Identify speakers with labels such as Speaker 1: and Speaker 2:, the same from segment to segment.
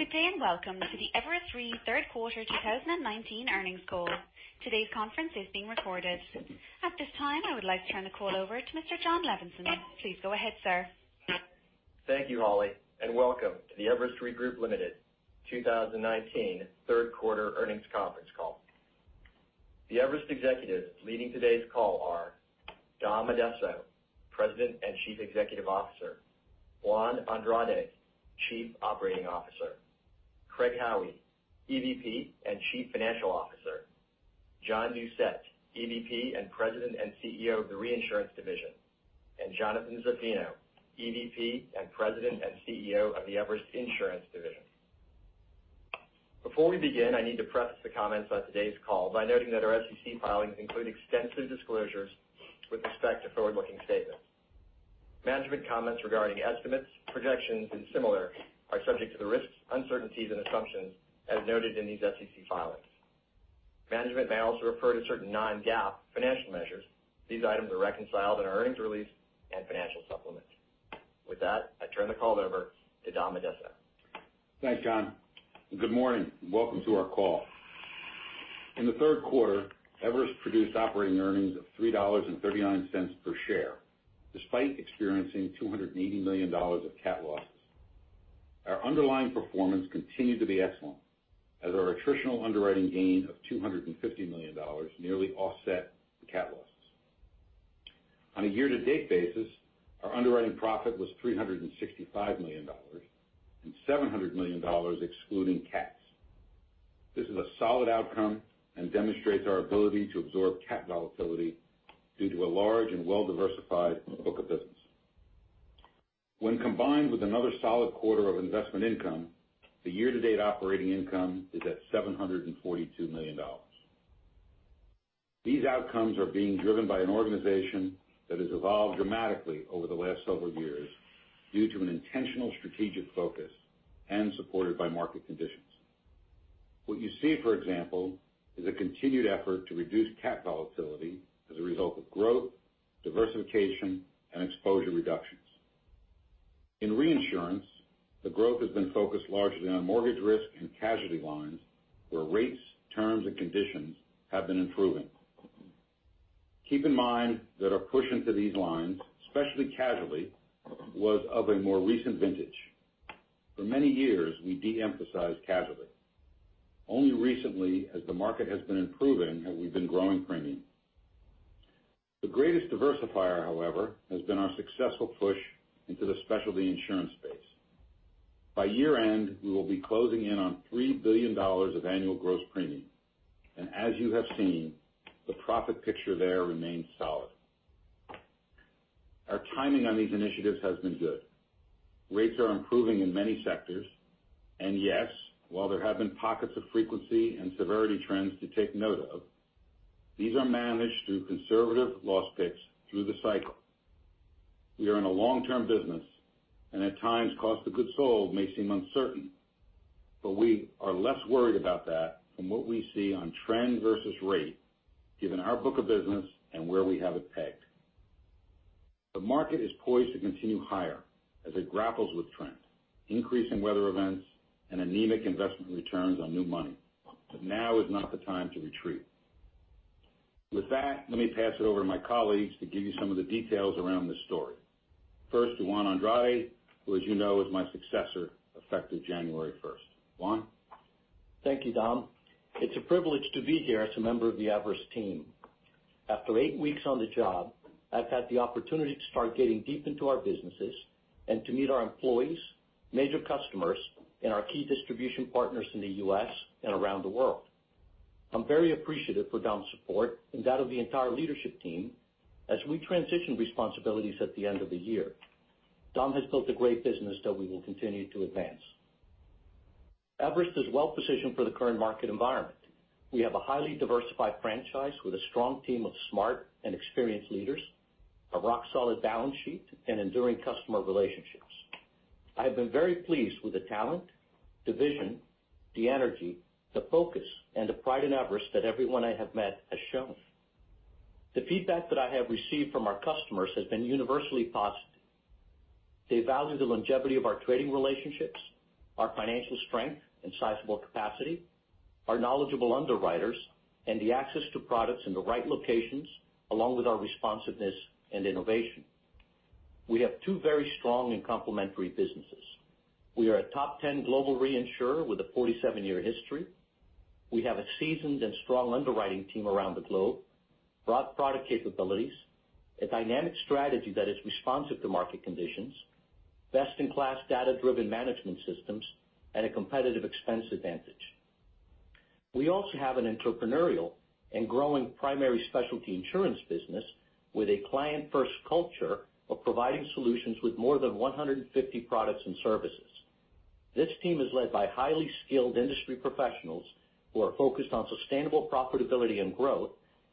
Speaker 1: Good day. Welcome to the Everest Re third quarter 2019 earnings call. Today's conference is being recorded. At this time, I would like to turn the call over to Mr. Jon Levenson. Please go ahead, sir.
Speaker 2: Thank you, Holly, and welcome to the Everest Re Group, Ltd. 2019 third quarter earnings conference call. The Everest executives leading today's call are Dom Addesso, President and Chief Executive Officer, Juan Andrade, Chief Operating Officer, Craig Howie, EVP and Chief Financial Officer, John Doucette, EVP and President and CEO of the Reinsurance Division, and Jonathan Zaffino, EVP and President and CEO of the Everest Insurance Division. Before we begin, I need to preface the comments on today's call by noting that our SEC filings include extensive disclosures with respect to forward-looking statements. Management comments regarding estimates, projections, and similar are subject to the risks, uncertainties, and assumptions as noted in these SEC filings. Management may also refer to certain non-GAAP financial measures. These items are reconciled in our earnings release and financial supplements. With that, I turn the call over to Dom Addesso.
Speaker 3: Thanks, Jon. Good morning. Welcome to our call. In the third quarter, Everest produced operating earnings of $3.39 per share despite experiencing $280 million of catastrophe losses. Our underlying performance continued to be excellent as our attritional underwriting gain of $250 million nearly offset the catastrophe losses. On a year-to-date basis, our underwriting profit was $365 million and $700 million excluding cats. This is a solid outcome and demonstrates our ability to absorb cat volatility due to a large and well-diversified book of business. When combined with another solid quarter of investment income, the year-to-date operating income is at $742 million. These outcomes are being driven by an organization that has evolved dramatically over the last several years due to an intentional strategic focus and supported by market conditions. What you see, for example, is a continued effort to reduce cat volatility as a result of growth, diversification, and exposure reductions. In reinsurance, the growth has been focused largely on mortgage risk and casualty lines where rates, terms, and conditions have been improving. Keep in mind that our push into these lines, especially casualty, was of a more recent vintage. For many years, we de-emphasized casualty. Only recently, as the market has been improving, have we been growing premium. The greatest diversifier, however, has been our successful push into the specialty insurance space. By year-end, we will be closing in on $3 billion of annual gross premium, and as you have seen, the profit picture there remains solid. Our timing on these initiatives has been good. Rates are improving in many sectors, and yes, while there have been pockets of frequency and severity trends to take note of, these are managed through conservative loss picks through the cycle. We are in a long-term business and at times cost of goods sold may seem uncertain, but we are less worried about that from what we see on trend versus rate, given our book of business and where we have it pegged. The market is poised to continue higher as it grapples with trend, increasing weather events, and anemic investment returns on new money. Now is not the time to retreat. With that, let me pass it over to my colleagues to give you some of the details around this story. First to Juan Andrade, who as you know, is my successor effective January 1st. Juan?
Speaker 4: Thank you, Dom. It's a privilege to be here as a member of the Everest team. After eight weeks on the job, I've had the opportunity to start getting deep into our businesses and to meet our employees, major customers, and our key distribution partners in the U.S. and around the world. I'm very appreciative for Dom's support and that of the entire leadership team as we transition responsibilities at the end of the year. Dom has built a great business that we will continue to advance. Everest is well-positioned for the current market environment. We have a highly diversified franchise with a strong team of smart and experienced leaders, a rock-solid balance sheet, and enduring customer relationships. I have been very pleased with the talent, the vision, the energy, the focus, and the pride in Everest that everyone I have met has shown. The feedback that I have received from our customers has been universally positive. They value the longevity of our trading relationships, our financial strength and sizable capacity, our knowledgeable underwriters, and the access to products in the right locations, along with our responsiveness and innovation. We have two very strong and complementary businesses. We are a top 10 global reinsurer with a 47-year history. We have a seasoned and strong underwriting team around the globe, broad product capabilities, a dynamic strategy that is responsive to market conditions, best-in-class data-driven management systems, and a competitive expense advantage. We also have an entrepreneurial and growing primary specialty insurance business with a client-first culture of providing solutions with more than 150 products and services. This team is led by highly skilled industry professionals who are focused on sustainable profitability and growth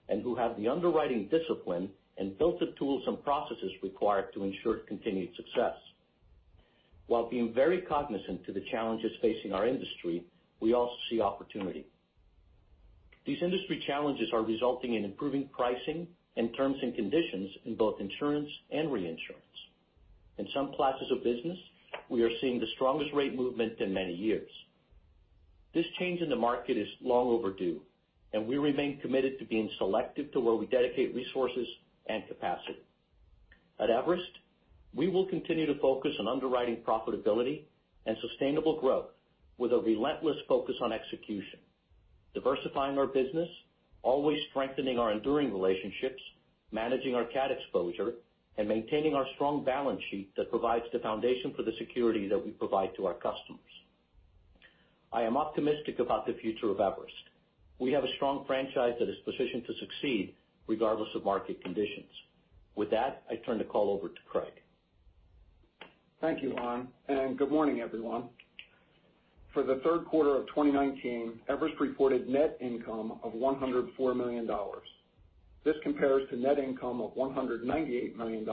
Speaker 4: and who have the underwriting discipline and built the tools and processes required to ensure continued success. While being very cognizant to the challenges facing our industry, we also see opportunity. These industry challenges are resulting in improving pricing and terms and conditions in both insurance and reinsurance. In some classes of business, we are seeing the strongest rate movement in many years. This change in the market is long overdue, and we remain committed to being selective to where we dedicate resources and capacity. At Everest, we will continue to focus on underwriting profitability and sustainable growth with a relentless focus on execution, diversifying our business, always strengthening our enduring relationships, managing our cat exposure, and maintaining our strong balance sheet that provides the foundation for the security that we provide to our customers. I am optimistic about the future of Everest. We have a strong franchise that is positioned to succeed regardless of market conditions. With that, I turn the call over to Craig.
Speaker 5: Thank you, Juan, and good morning, everyone. For the third quarter of 2019, Everest reported net income of $104 million. This compares to net income of $198 million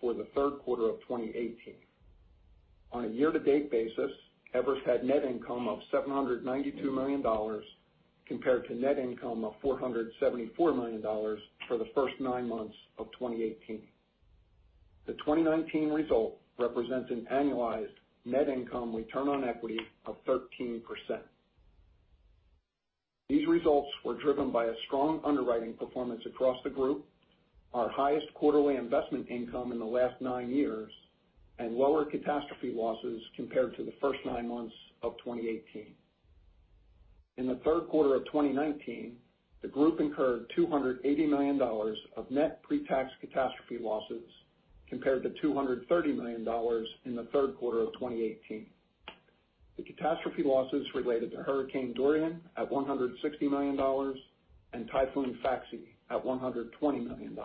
Speaker 5: for the third quarter of 2018. On a year-to-date basis, Everest had net income of $792 million compared to net income of $474 million for the first nine months of 2018. The 2019 result represents an annualized net income return on equity of 13%. These results were driven by a strong underwriting performance across the Group, our highest quarterly investment income in the last nine years, and lower catastrophe losses compared to the first nine months of 2018. In the third quarter of 2019, the Group incurred $280 million of net pre-tax catastrophe losses, compared to $230 million in the third quarter of 2018. The catastrophe losses related to Hurricane Dorian at $160 million and Typhoon Faxai at $120 million.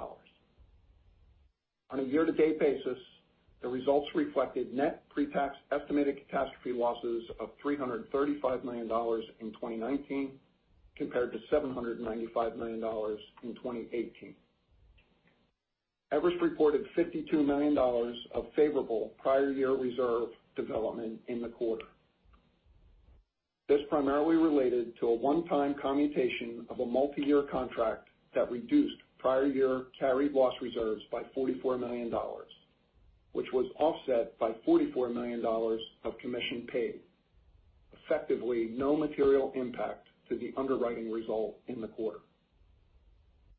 Speaker 5: On a year-to-date basis, the results reflected net pre-tax estimated catastrophe losses of $335 million in 2019 compared to $795 million in 2018. Everest reported $52 million of favorable prior year reserve development in the quarter. This primarily related to a one-time commutation of a multi-year contract that reduced prior year carried loss reserves by $44 million, which was offset by $44 million of commission paid. Effectively, no material impact to the underwriting result in the quarter.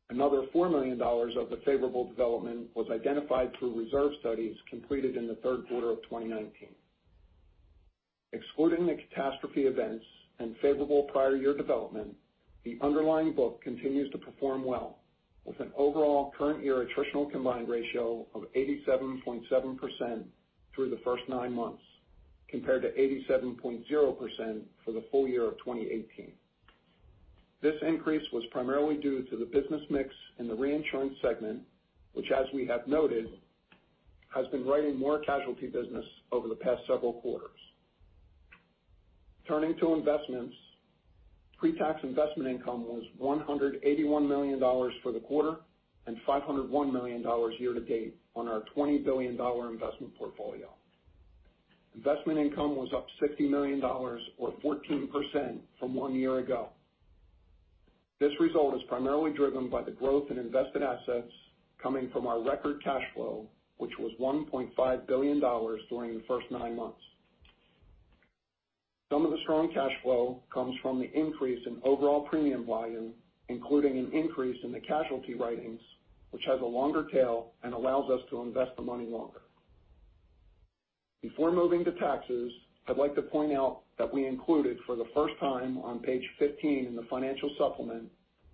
Speaker 5: Another $4 million of the favorable development was identified through reserve studies completed in the third quarter of 2019. Excluding the catastrophe events and favorable prior year development, the underlying book continues to perform well, with an overall current year attritional combined ratio of 87.7% through the first nine months, compared to 87.0% for the full year of 2018. This increase was primarily due to the business mix in the reinsurance segment, which as we have noted, has been writing more casualty business over the past several quarters. Turning to investments, pre-tax investment income was $181 million for the quarter and $501 million year-to-date on our $20 billion investment portfolio. Investment income was up $60 million, or 14%, from one year ago. This result is primarily driven by the growth in invested assets coming from our record cash flow, which was $1.5 billion during the first nine months. Some of the strong cash flow comes from the increase in overall premium volume, including an increase in the casualty writings, which has a longer tail and allows us to invest the money longer. Before moving to taxes, I'd like to point out that we included for the first time on page 15 in the financial supplement,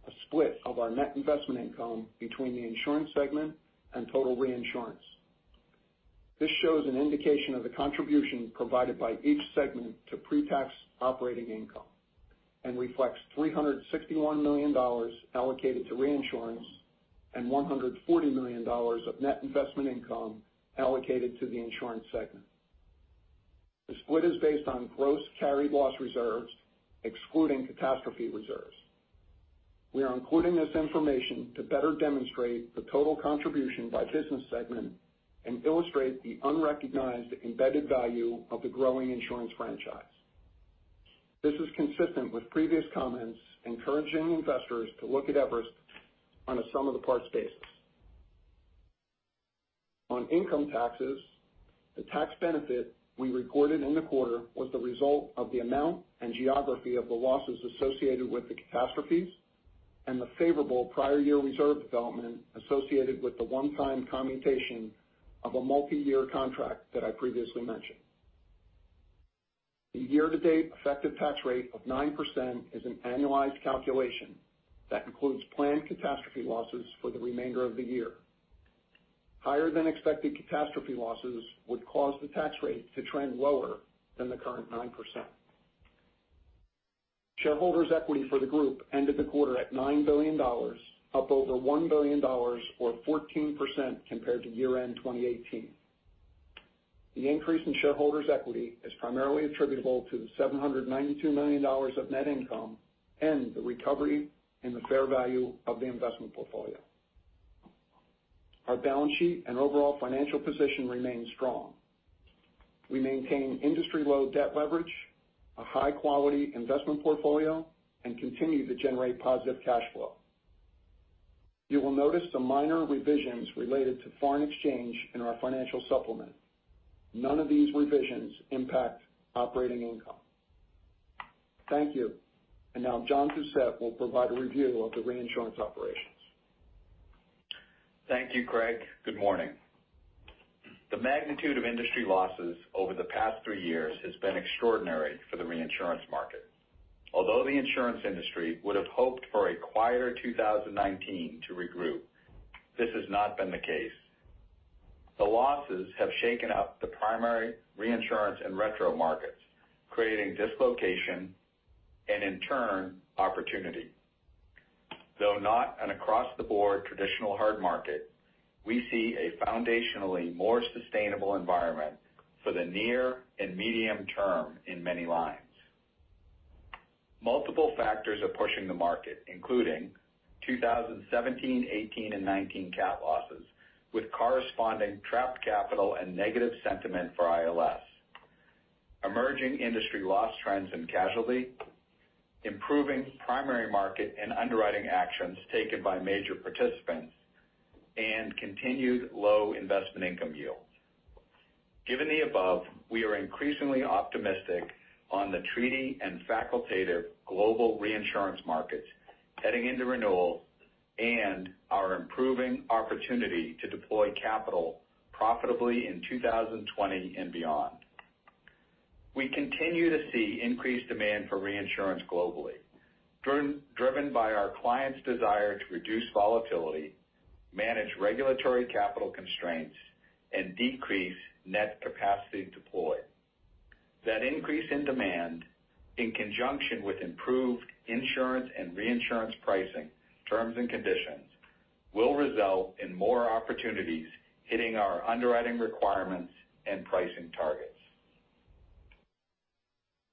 Speaker 5: a split of our net investment income between the insurance segment and total reinsurance. This shows an indication of the contribution provided by each segment to pre-tax operating income and reflects $361 million allocated to reinsurance and $140 million of net investment income allocated to the insurance segment. The split is based on gross carried loss reserves, excluding catastrophe reserves. We are including this information to better demonstrate the total contribution by business segment and illustrate the unrecognized embedded value of the growing insurance franchise. This is consistent with previous comments encouraging investors to look at Everest on a sum-of-the-parts basis. On income taxes, the tax benefit we recorded in the quarter was the result of the amount and geography of the losses associated with the catastrophes and the favorable prior year reserve development associated with the one-time commutation of a multi-year contract that I previously mentioned. The year-to-date effective tax rate of 9% is an annualized calculation that includes planned catastrophe losses for the remainder of the year. Higher-than-expected catastrophe losses would cause the tax rate to trend lower than the current 9%. Shareholders' equity for the Group ended the quarter at $9 billion, up over $1 billion, or 14%, compared to year-end 2018. The increase in shareholders' equity is primarily attributable to the $792 million of net income and the recovery in the fair value of the investment portfolio. Our balance sheet and overall financial position remains strong. We maintain industry-low debt leverage, a high-quality investment portfolio, and continue to generate positive cash flow. You will notice some minor revisions related to foreign exchange in our financial supplement. None of these revisions impact operating income. Thank you. Now John Doucette will provide a review of the reinsurance operations.
Speaker 6: Thank you, Craig. Good morning. The magnitude of industry losses over the past three years has been extraordinary for the reinsurance market. Although the insurance industry would have hoped for a quieter 2019 to regroup, this has not been the case. The losses have shaken up the primary reinsurance and retro markets, creating dislocation and in turn, opportunity. Though not an across-the-board traditional hard market, we see a foundationally more sustainable environment for the near and medium term in many lines. Multiple factors are pushing the market, including 2017, 2018, and 2019 catastrophe losses, with corresponding trapped capital and negative sentiment for ILS, emerging industry loss trends in casualty, improving primary market and underwriting actions taken by major participants, and continued low investment income yields. Given the above, we are increasingly optimistic on the treaty and facultative global reinsurance markets heading into renewals and are improving opportunity to deploy capital profitably in 2020 and beyond. We continue to see increased demand for reinsurance globally, driven by our clients' desire to reduce volatility, manage regulatory capital constraints, and decrease net capacity deployed. That increase in demand, in conjunction with improved insurance and reinsurance pricing terms and conditions, will result in more opportunities hitting our underwriting requirements and pricing targets.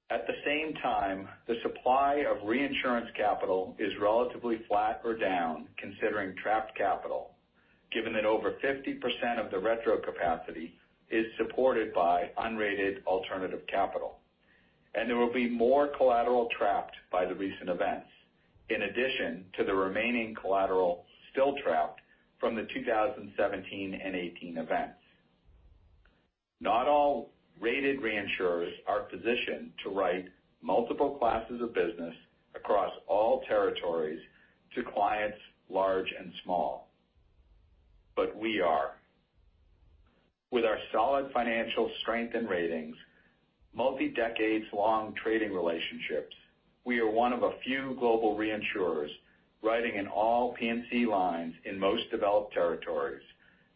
Speaker 6: At the same time, the supply of reinsurance capital is relatively flat or down considering trapped capital, given that over 50% of the retro capacity is supported by unrated alternative capital, and there will be more collateral trapped by the recent events, in addition to the remaining collateral still trapped from the 2017 and 2018 events. Not all rated reinsurers are positioned to write multiple classes of business across all territories to clients large and small, but we are. With our solid financial strength and ratings, multi-decades-long trading relationships, we are one of a few global reinsurers writing in all P&C lines in most developed territories,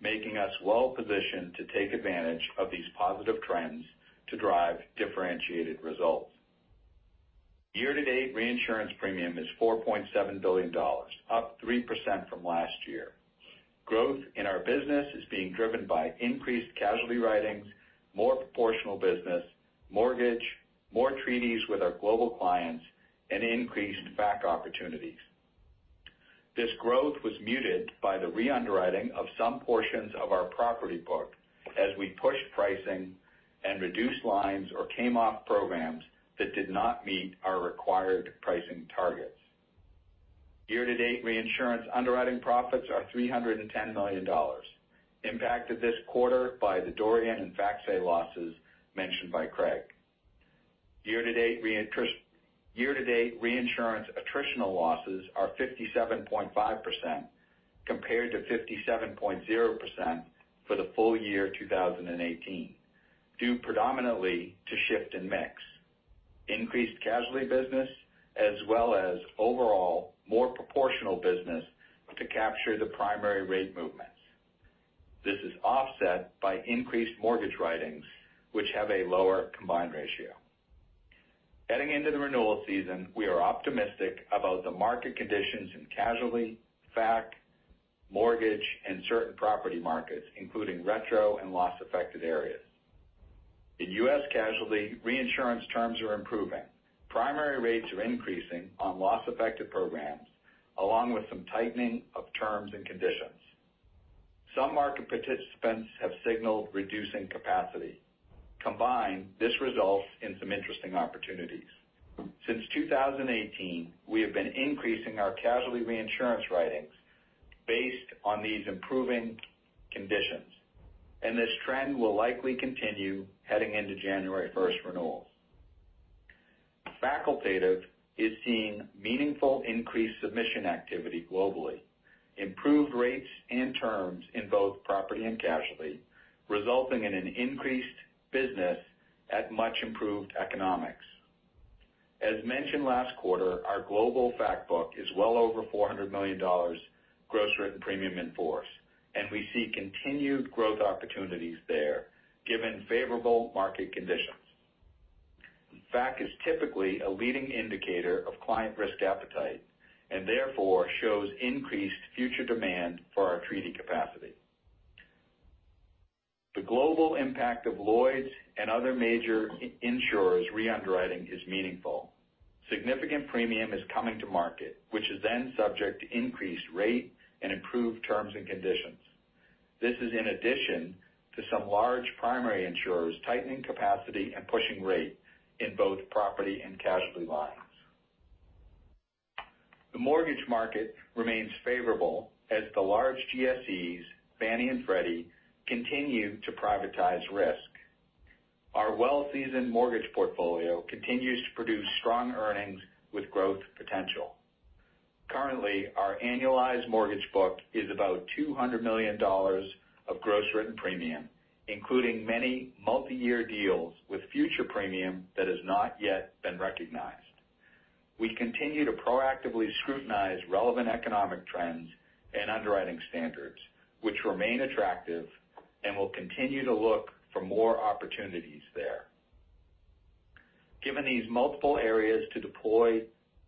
Speaker 6: making us well-positioned to take advantage of these positive trends to drive differentiated results. Year-to-date reinsurance premium is $4.7 billion, up 3% from last year. Growth in our business is being driven by increased casualty writings, more proportional business, mortgage, more treaties with our global clients, and increased FAC opportunities. This growth was muted by the re-underwriting of some portions of our property book as we pushed pricing and reduced lines or came off programs that did not meet our required pricing targets. Year-to-date reinsurance underwriting profits are $310 million, impacted this quarter by the Dorian and Faxai losses mentioned by Craig. Year-to-date reinsurance attritional losses are 57.5%, compared to 57.0% for the full year 2018, due predominantly to shift in mix, increased casualty business, as well as overall more proportional business to capture the primary rate movements. This is offset by increased mortgage writings, which have a lower combined ratio. Heading into the renewal season, we are optimistic about the market conditions in Casualty, FAC, mortgage, and certain property markets, including retro and loss-affected areas. In U.S. Casualty, reinsurance terms are improving. Primary rates are increasing on loss-affected programs, along with some tightening of terms and conditions. Some market participants have signaled reducing capacity. Combined, this results in some interesting opportunities. Since 2018, we have been increasing our casualty reinsurance writings based on these improving conditions, and this trend will likely continue heading into January 1st renewals. Facultative is seeing meaningful increased submission activity globally, improved rates and terms in both property and casualty, resulting in an increased business at much improved economics. As mentioned last quarter, our global FAC book is well over $400 million gross written premium in force, and we see continued growth opportunities there given favorable market conditions. FAC is typically a leading indicator of client risk appetite and therefore shows increased future demand for our treaty capacity. The global impact of Lloyd's and other major insurers re-underwriting is meaningful. Significant premium is coming to market, which is then subject to increased rate and improved terms and conditions. This is in addition to some large primary insurers tightening capacity and pushing rate in both property and casualty lines. The mortgage market remains favorable as the large GSEs, Fannie and Freddie, continue to privatize risk. Our well-seasoned mortgage portfolio continues to produce strong earnings with growth potential. Currently, our annualized mortgage book is about $200 million of gross written premium, including many multiyear deals with future premium that has not yet been recognized. We continue to proactively scrutinize relevant economic trends and underwriting standards, which remain attractive, and we'll continue to look for more opportunities there. Given these multiple areas to deploy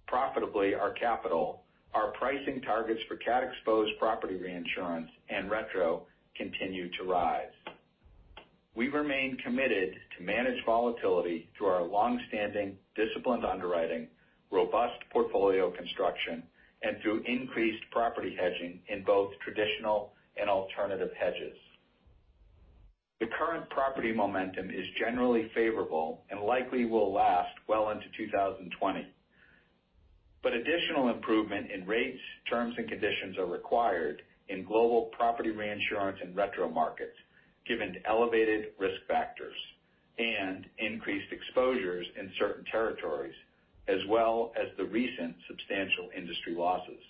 Speaker 6: profitably our capital, our pricing targets for cat exposed property reinsurance and retro continue to rise. We remain committed to manage volatility through our longstanding disciplined underwriting, robust portfolio construction, and through increased property hedging in both traditional and alternative hedges. The current property momentum is generally favorable and likely will last well into 2020. Additional improvement in rates, terms, and conditions are required in global property reinsurance and retro markets, given the elevated risk factors and increased exposures in certain territories, as well as the recent substantial industry losses.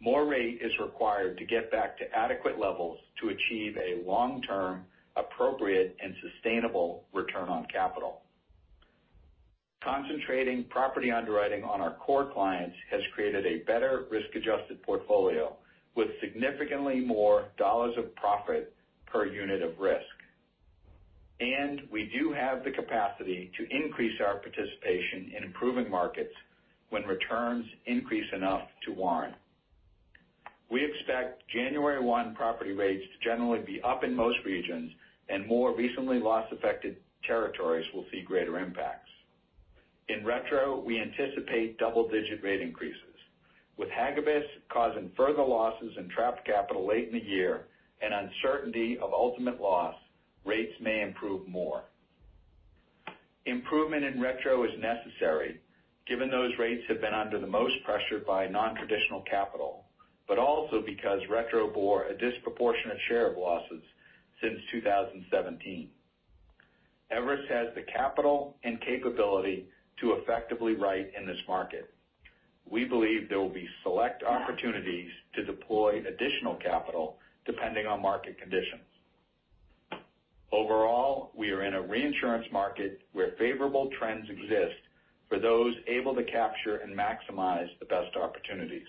Speaker 6: More rate is required to get back to adequate levels to achieve a long-term, appropriate, and sustainable return on capital. Concentrating property underwriting on our core clients has created a better risk-adjusted portfolio with significantly more dollars of profit per unit of risk. We do have the capacity to increase our participation in improving markets when returns increase enough to warrant. We expect January 1 property rates to generally be up in most regions, and more recently loss-affected territories will see greater impacts. In retro, we anticipate double-digit rate increases. With Typhoon Hagibis causing further losses in trapped capital late in the year and uncertainty of ultimate loss, rates may improve more. Improvement in retro is necessary, given those rates have been under the most pressure by non-traditional capital, but also because retro bore a disproportionate share of losses since 2017. Everest has the capital and capability to effectively write in this market. We believe there will be select opportunities to deploy additional capital depending on market conditions. Overall, we are in a reinsurance market where favorable trends exist for those able to capture and maximize the best opportunities.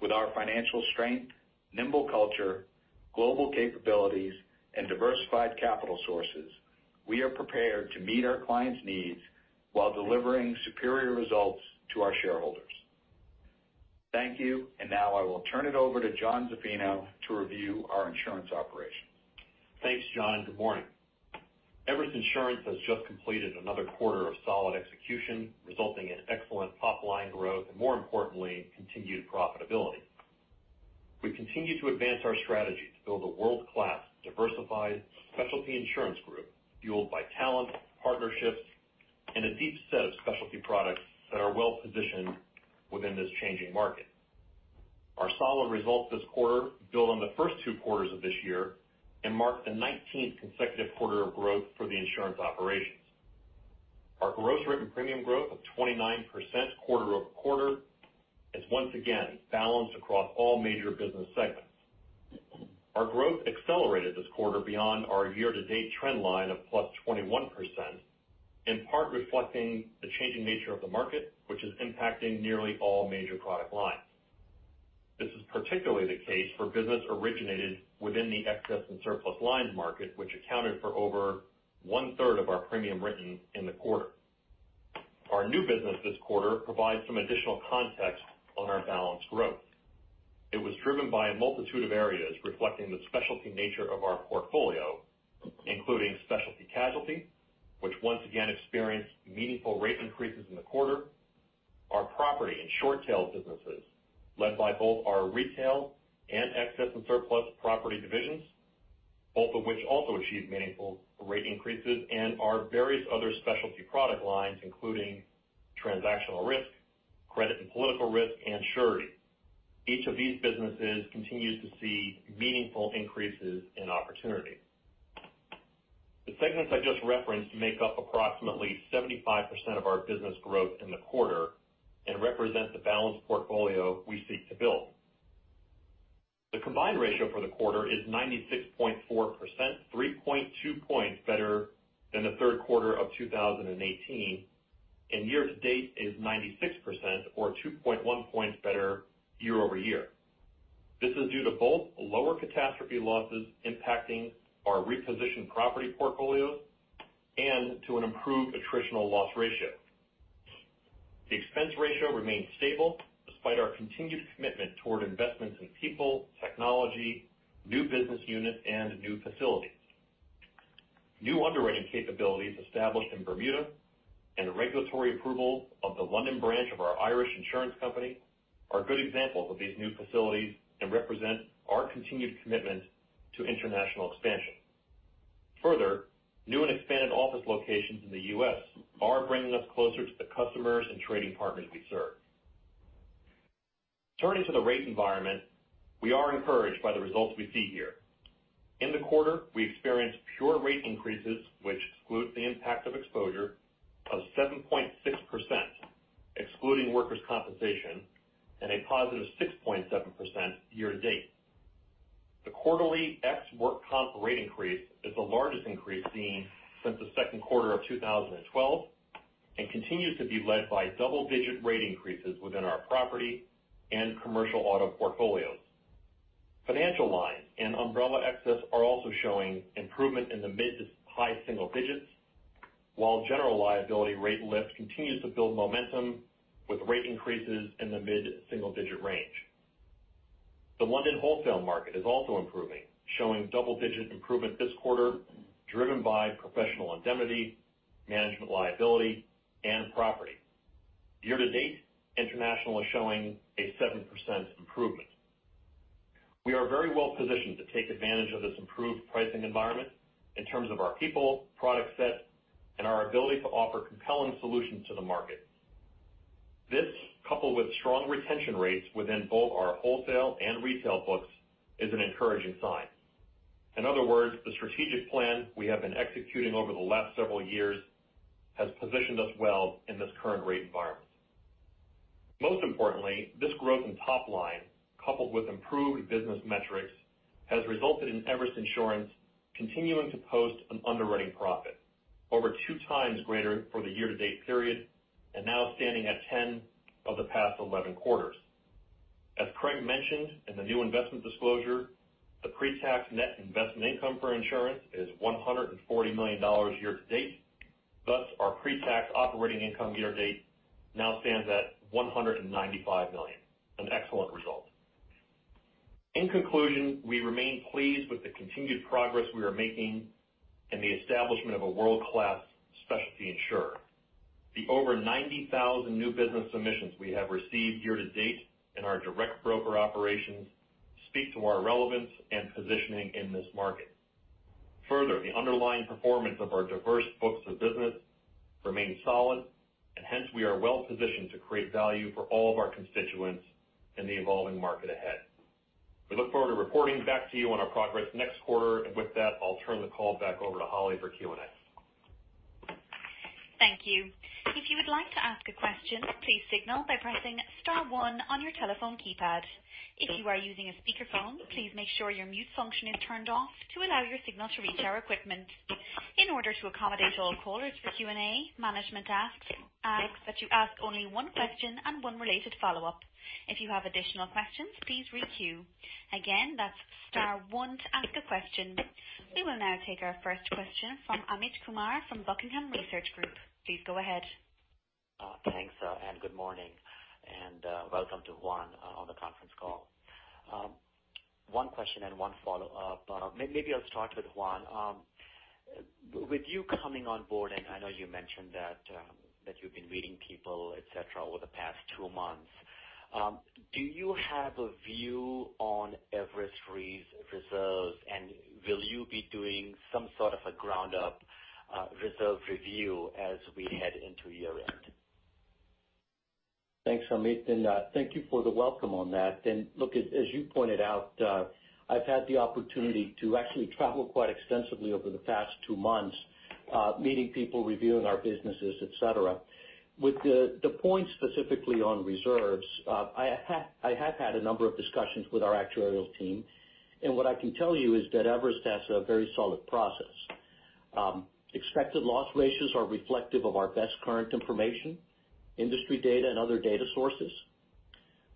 Speaker 6: With our financial strength, nimble culture, global capabilities, and diversified capital sources, we are prepared to meet our clients' needs while delivering superior results to our shareholders. Thank you. Now I will turn it over to John Zaffino to review our insurance operations.
Speaker 7: Thanks, John. Good morning. Everest Insurance has just completed another quarter of solid execution, resulting in excellent top-line growth, and more importantly, continued profitability. We continue to advance our strategy to build a world-class, diversified specialty insurance group fueled by talent, partnerships, and a deep set of specialty products that are well positioned within this changing market. Our solid results this quarter build on the first two quarters of this year and mark the 19th consecutive quarter of growth for the insurance operations. Our gross written premium growth of 29% quarter-over-quarter is once again balanced across all major business segments. Our growth accelerated this quarter beyond our year-to-date trend line of plus 21%, in part reflecting the changing nature of the market, which is impacting nearly all major product lines. This is particularly the case for business originated within the excess and surplus lines market, which accounted for over 1/3 of our premium written in the quarter. Our new business this quarter provides some additional context on our balanced growth. It was driven by a multitude of areas reflecting the specialty nature of our portfolio, including specialty casualty, which once again experienced meaningful rate increases in the quarter, our property and short tail businesses, led by both our retail and excess and surplus property divisions, both of which also achieved meaningful rate increases, and our various other specialty product lines, including transactional risk, credit and political risk, and surety. Each of these businesses continues to see meaningful increases in opportunity. The segments I just referenced make up approximately 75% of our business growth in the quarter and represent the balanced portfolio we seek to build. The combined ratio for the quarter is 96.4%, 3.2 points better than the third quarter of 2018, year-to-date is 96%, or 2.1 points better year-over-year. This is due to both lower catastrophe losses impacting our repositioned property portfolios and to an improved attritional loss ratio. The expense ratio remains stable despite our continued commitment toward investments in people, technology, new business units, and new facilities. New underwriting capabilities established in Bermuda and regulatory approval of the London branch of our Irish insurance company are good examples of these new facilities and represent our continued commitment to international expansion. New and expanded office locations in the U.S. are bringing us closer to the customers and trading partners we serve. Turning to the rate environment, we are encouraged by the results we see here. In the quarter, we experienced pure rate increases, which excludes the impact of exposure of 7.6%, excluding workers' compensation, and a +6.7% year-to-date. The quarterly ex-work comp rate increase is the largest increase seen since the second quarter of 2012 and continues to be led by double-digit rate increases within our property and commercial auto portfolios. Financial lines and umbrella excess are also showing improvement in the mid to high single digits, while general liability rate lift continues to build momentum with rate increases in the mid-single-digit range. The London wholesale market is also improving, showing double-digit improvement this quarter, driven by professional indemnity, management liability, and property. Year-to-date, international is showing a 7% improvement. We are very well-positioned to take advantage of this improved pricing environment in terms of our people, product set, and our ability to offer compelling solutions to the market. This, coupled with strong retention rates within both our wholesale and retail books, is an encouraging sign. In other words, the strategic plan we have been executing over the last several years has positioned us well in this current rate environment. Most importantly, this growth in top line, coupled with improved business metrics, has resulted in Everest Insurance continuing to post an underwriting profit over two times greater for the year-to-date period and now standing at 10 of the past 11 quarters. As Craig mentioned in the new investment disclosure, the pre-tax net investment income for insurance is $140 million year-to- date. Thus, our pre-tax operating income year to date now stands at $195 million, an excellent result. In conclusion, we remain pleased with the continued progress we are making in the establishment of a world-class specialty insurer. The over 90,000 new business submissions we have received year-to-date in our direct broker operations speak to our relevance and positioning in this market. Further, the underlying performance of our diverse books of business remains solid, and hence, we are well-positioned to create value for all of our constituents in the evolving market ahead. We look forward to reporting back to you on our progress next quarter. With that, I'll turn the call back over to Holly for Q&A.
Speaker 1: Thank you. If you would like to ask a question, please signal by pressing star one on your telephone keypad. If you are using a speakerphone, please make sure your mute function is turned off to allow your signal to reach our equipment. In order to accommodate all callers for Q&A, management asks that you ask only one question and one related follow-up. If you have additional questions, please re-queue. Again, that's star one to ask a question. We will now take our first question from Amit Kumar from Buckingham Research Group. Please go ahead.
Speaker 8: Thanks, and good morning, and welcome to Juan on the conference call. One question and one follow-up. Maybe I'll start with Juan. With you coming on board, and I know you mentioned that you've been meeting people, et cetera, over the past two months. Do you have a view on Everest Re's reserves, and will you be doing some sort of a ground-up reserve review as we head into year-end?
Speaker 4: Thanks, Amit, and thank you for the welcome on that. Look, as you pointed out, I've had the opportunity to actually travel quite extensively over the past two months, meeting people, reviewing our businesses, et cetera. With the point specifically on reserves, I have had a number of discussions with our actuarial team, and what I can tell you is that Everest has a very solid process. Expected loss ratios are reflective of our best current information, industry data, and other data sources.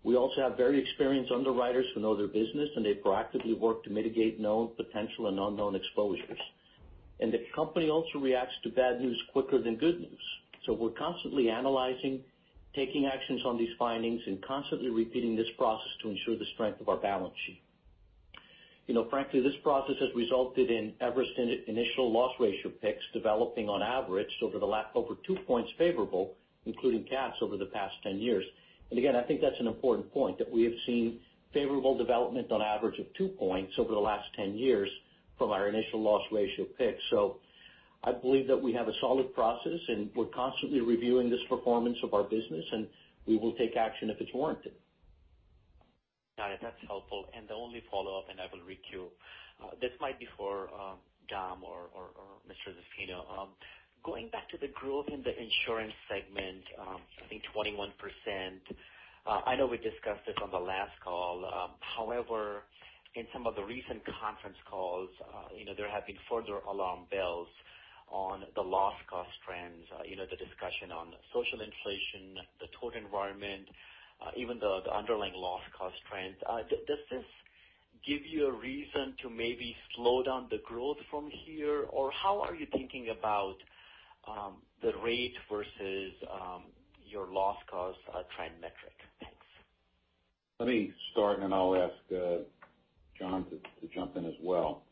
Speaker 4: We also have very experienced underwriters who know their business, and they proactively work to mitigate known potential and unknown exposures. The company also reacts to bad news quicker than good news. We're constantly analyzing, taking actions on these findings, and constantly repeating this process to ensure the strength of our balance sheet. Frankly, this process has resulted in Everest's initial loss ratio picks developing on average over two points favorable, including cats over the past 10 years. Again, I think that's an important point that we have seen favorable development on average of two points over the last 10 years from our initial loss ratio pick. I believe that we have a solid process, and we're constantly reviewing this performance of our business, and we will take action if it's warranted.
Speaker 8: Got it. That's helpful. The only follow-up, I will re-queue, this might be for Dom or Mr. Zaffino. Going back to the growth in the insurance segment, I think 21%. I know we discussed this on the last call. However, in some of the recent conference calls, there have been further alarm bells on the loss cost trends, the discussion on social inflation, the total environment, even the underlying loss cost trends. Does this give you a reason to maybe slow down the growth from here? Or how are you thinking about the rate versus your loss cost trend metric? Thanks.
Speaker 3: Let me start, and I'll ask Jonathan to jump in as well.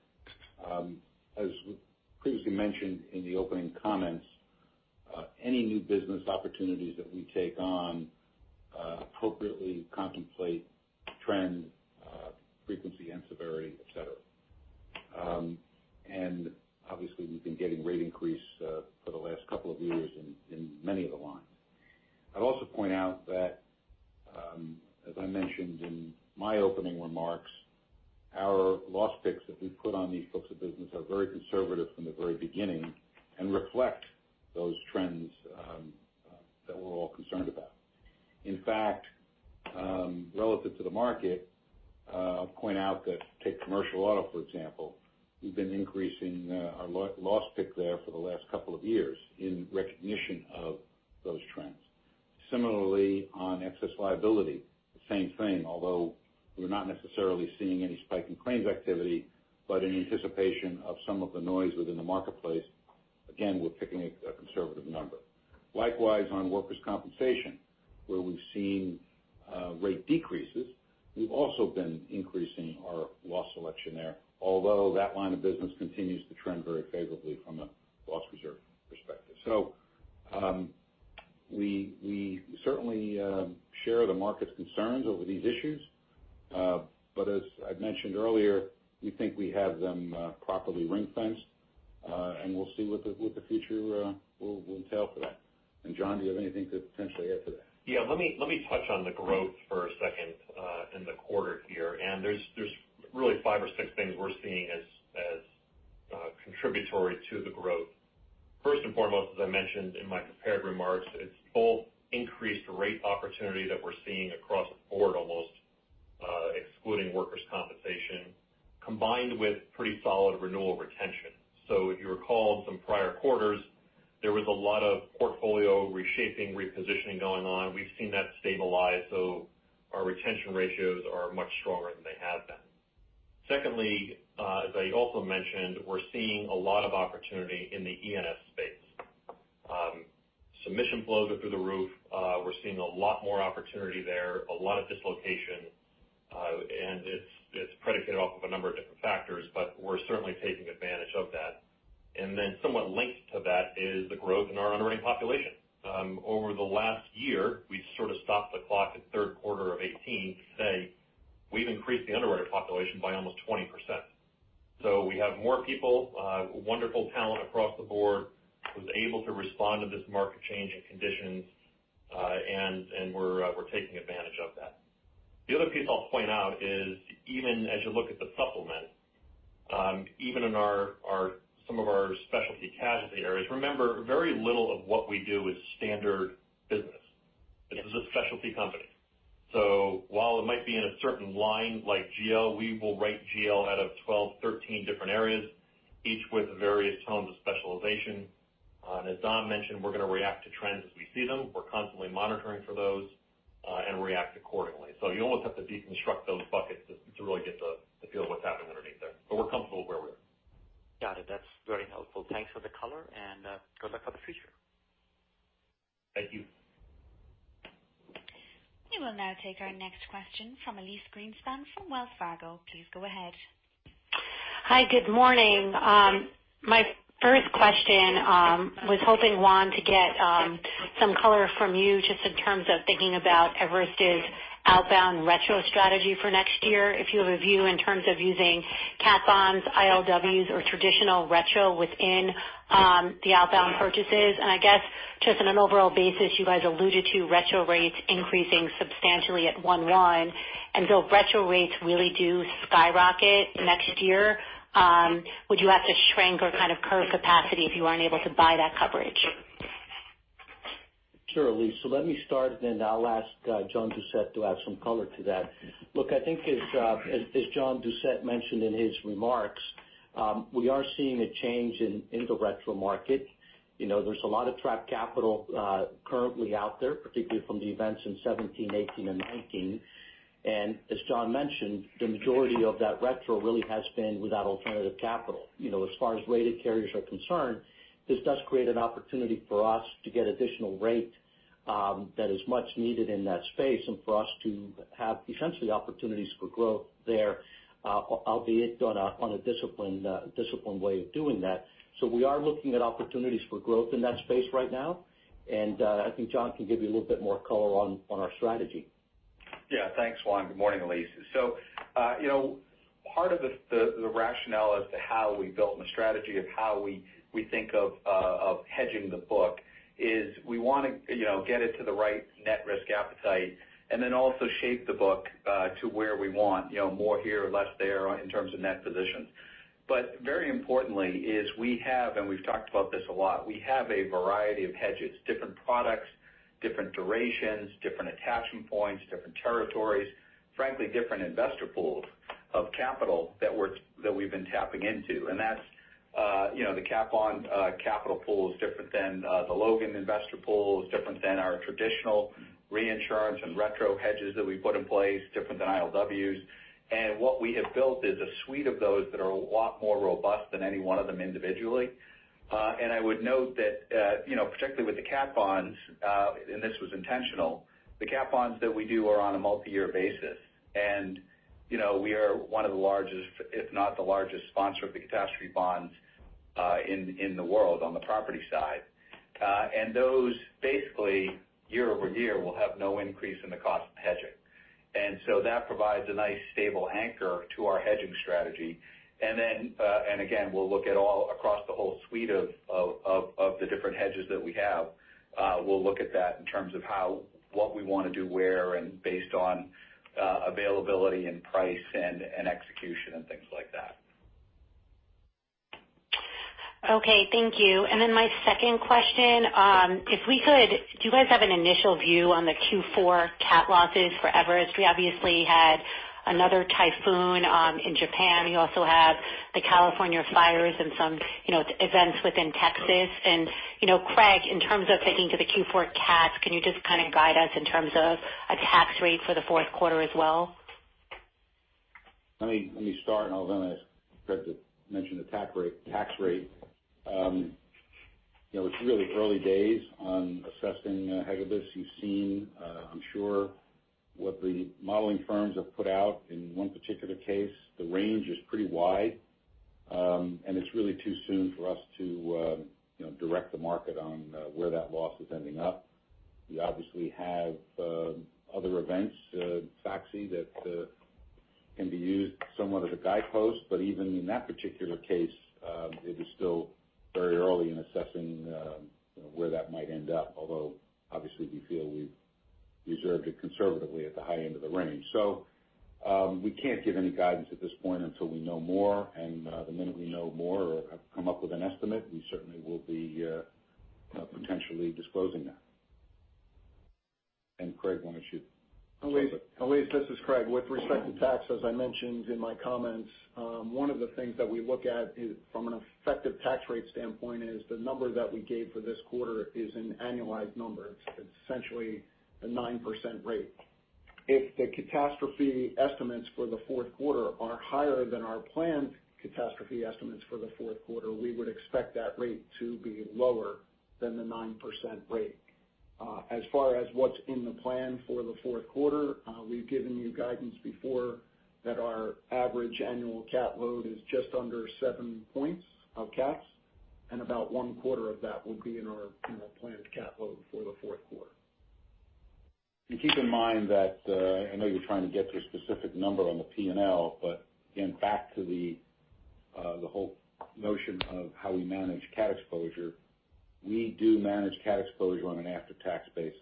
Speaker 7: and we're taking advantage of that. The other piece I'll point out is, even as you look at the supplement, even in some of our specialty casualty areas, remember, very little of what we do is standard business. This is a specialty company. While it might be in a certain line like GL, we will write GL out of 12, 13 different areas, each with various tones of specialization. As Dom mentioned, we're going to react to trends as we see them. We're constantly monitoring for those, and react accordingly. You almost have to deconstruct those buckets to really get the feel of what's happening underneath there. We're comfortable where we are.
Speaker 8: Got it. That's very helpful. Thanks for the color, and good luck for the future.
Speaker 7: Thank you.
Speaker 1: We will now take our next question from Elyse Greenspan from Wells Fargo. Please go ahead.
Speaker 9: Hi. Good morning. My first question, was hoping, Juan, to get some color from you just in terms of thinking about Everest's outbound retro strategy for next year, if you have a view in terms of using cat bonds, ILWs or traditional retro within the outbound purchases. I guess just on an overall basis, you guys alluded to retro rates increasing substantially at one-one. Retro rates really do skyrocket next year. Would you have to shrink or kind of curb capacity if you aren't able to buy that coverage?
Speaker 4: Sure, Elyse. Let me start, and then I'll ask John Doucette to add some color to that. Look, I think as John Doucette mentioned in his remarks, we are seeing a change in the retrocession market. There's a lot of trapped capital currently out there, particularly from the events in 2017, 2018 and 2019. As John mentioned, the majority of that retrocession really has been without alternative capital. As far as rated carriers are concerned, this does create an opportunity for us to get additional rate that is much needed in that space and for us to have essentially opportunities for growth there, albeit on a disciplined way of doing that. We are looking at opportunities for growth in that space right now. I think John can give you a little bit more color on our strategy.
Speaker 6: Thanks, Juan. Good morning, Elyse. Part of the rationale as to how we built the strategy of how we think of hedging the book is we want to get it to the right net risk appetite and then also shape the book to where we want, more here, less there in terms of net position. Very importantly is we have, and we've talked about this a lot, we have a variety of hedges, different products, different durations, different attachment points, different territories, frankly, different investor pools of capital that we've been tapping into. That's The cat bond capital pool is different than the Logan investor pool, is different than our traditional reinsurance and retro hedges that we put in place, different than ILWs. What we have built is a suite of those that are a lot more robust than any one of them individually. I would note that, particularly with the cat bonds, and this was intentional, the cat bonds that we do are on a multi-year basis. We are one of the largest, if not the largest sponsor of the catastrophe bonds in the world on the property side. Those basically year-over-year will have no increase in the cost of hedging. That provides a nice stable anchor to our hedging strategy. Again, we'll look at all across the whole suite of the different hedges that we have. We'll look at that in terms of what we want to do where, and based on availability and price and execution and things like that.
Speaker 9: Okay. Thank you. Then my second question, if we could, do you guys have an initial view on the Q4 catastrophe losses for Everest? We obviously had another typhoon in Japan. You also have the California fires and some events within Texas. Craig, in terms of thinking to the Q4 catastrophe, can you just kind of guide us in terms of a tax rate for the fourth quarter as well?
Speaker 3: Let me start, I'll then ask Craig to mention the tax rate. It's really early days on assessing Hagibis. You've seen, I'm sure, what the modeling firms have put out. In one particular case, the range is pretty wide. It's really too soon for us to direct the market on where that loss is ending up. We obviously have other events, Faxai, that can be used somewhat as a guidepost, but even in that particular case, it is still very early in assessing where that might end up. Although obviously we feel we've reserved it conservatively at the high end of the range. We can't give any guidance at this point until we know more. The minute we know more or have come up with an estimate, we certainly will be potentially disclosing that. Craig, why don't you?
Speaker 5: Elyse, this is Craig. With respect to tax, as I mentioned in my comments, one of the things that we look at from an effective tax rate standpoint is the number that we gave for this quarter is an annualized number. It's essentially a 9% rate. If the catastrophe estimates for the fourth quarter are higher than our planned catastrophe estimates for the fourth quarter, we would expect that rate to be lower than the 9% rate. As far as what's in the plan for the fourth quarter, we've given you guidance before that our average annual catastrophe load is just under seven points of catastrophe, and about 1/4 of that will be in our planned catastrophe load for the fourth quarter.
Speaker 3: Keep in mind that, I know you're trying to get to a specific number on the P&L, but again, back to the whole notion of how we manage cat exposure, we do manage cat exposure on an after-tax basis.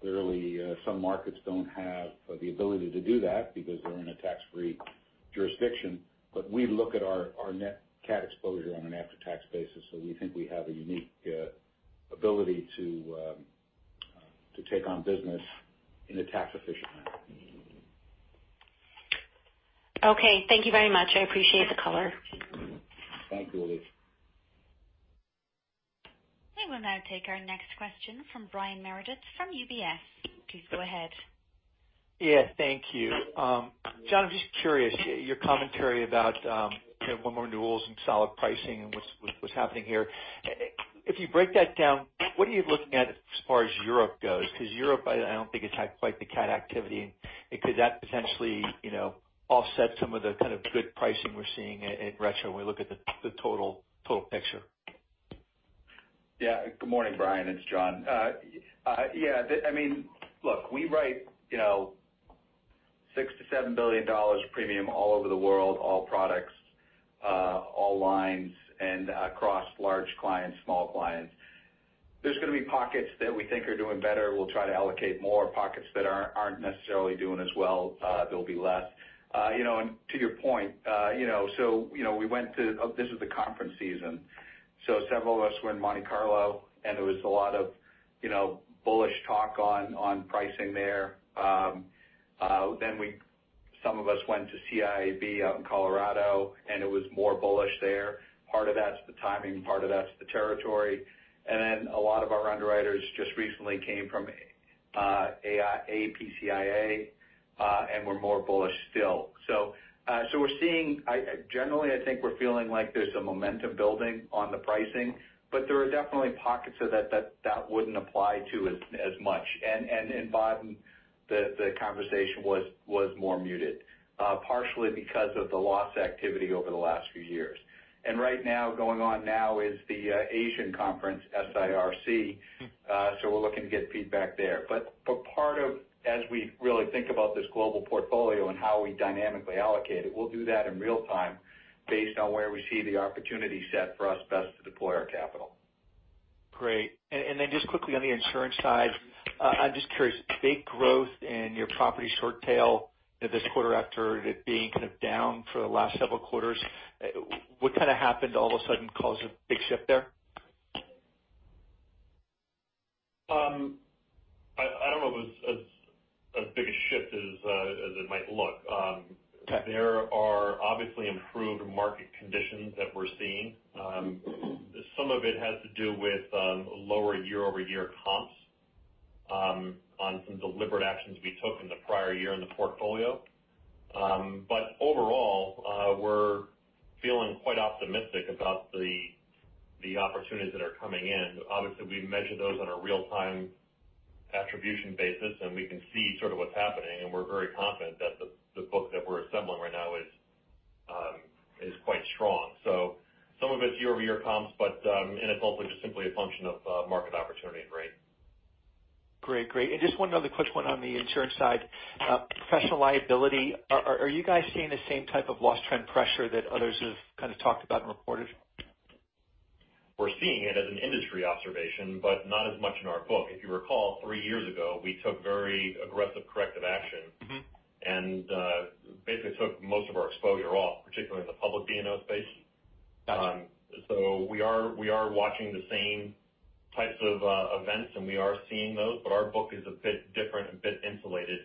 Speaker 3: Clearly, some markets don't have the ability to do that because they're in a tax-free jurisdiction. We look at our net cat exposure on an after-tax basis, so we think we have a unique ability to take on business in a tax-efficient manner.
Speaker 9: Okay. Thank you very much. I appreciate the color.
Speaker 3: Thank you, Elyse.
Speaker 1: We will now take our next question from Brian Meredith from UBS. Please go ahead.
Speaker 10: Yeah. Thank you. John, I'm just curious, your commentary about more renewals and solid pricing and what's happening here. If you break that down, what are you looking at as far as Europe goes? Because Europe, I don't think it's had quite the cat activity. Could that potentially offset some of the kind of good pricing we're seeing in retrocession when we look at the total picture?
Speaker 6: Good morning, Brian. It's John. We write $6 billion-$7 billion premium all over the world, all products, all lines, and across large clients, small clients. There's going to be pockets that we think are doing better. We'll try to allocate more pockets that aren't necessarily doing as well. There'll be less. To your point, this is the conference season, so several of us were in Monte Carlo and there was a lot of bullish talk on pricing there. Some of us went to CIAB out in Colorado, and it was more bullish there. Part of that's the timing, part of that's the territory. A lot of our underwriters just recently came from APCIA, and we're more bullish still. Generally, I think we're feeling like there's a momentum building on the pricing, but there are definitely pockets that that wouldn't apply to as much. In Baden, the conversation was more muted, partially because of the loss activity over the last few years. Right now, going on now is the Asian conference, SIRC. We're looking to get feedback there. As we really think about this global portfolio and how we dynamically allocate it, we'll do that in real time based on where we see the opportunity set for us best to deploy our capital.
Speaker 10: Great. Then just quickly on the insurance side, I am just curious, big growth in your property short tail this quarter after it being kind of down for the last several quarters. What kind of happened all of a sudden caused a big shift there?
Speaker 7: As big a shift as it might look.
Speaker 10: Okay.
Speaker 7: There are obviously improved market conditions that we're seeing. Some of it has to do with lower year-over-year comps on some deliberate actions we took in the prior year in the portfolio. Overall, we're feeling quite optimistic about the opportunities that are coming in. Obviously, we measure those on a real-time attribution basis, and we can see sort of what's happening, and we're very confident that the book that we're assembling right now is quite strong. Some of it's year-over-year comps, and it's also just simply a function of market opportunity and rate.
Speaker 10: Great. Just one other quick one on the insurance side. Professional liability, are you guys seeing the same type of loss trend pressure that others have kind of talked about and reported?
Speaker 7: We're seeing it as an industry observation, but not as much in our book. If you recall, three years ago, we took very aggressive corrective action. Basically took most of our exposure off, particularly in the public D&O space.
Speaker 10: Got it.
Speaker 7: We are watching the same types of events, and we are seeing those, but our book is a bit different, a bit insulated.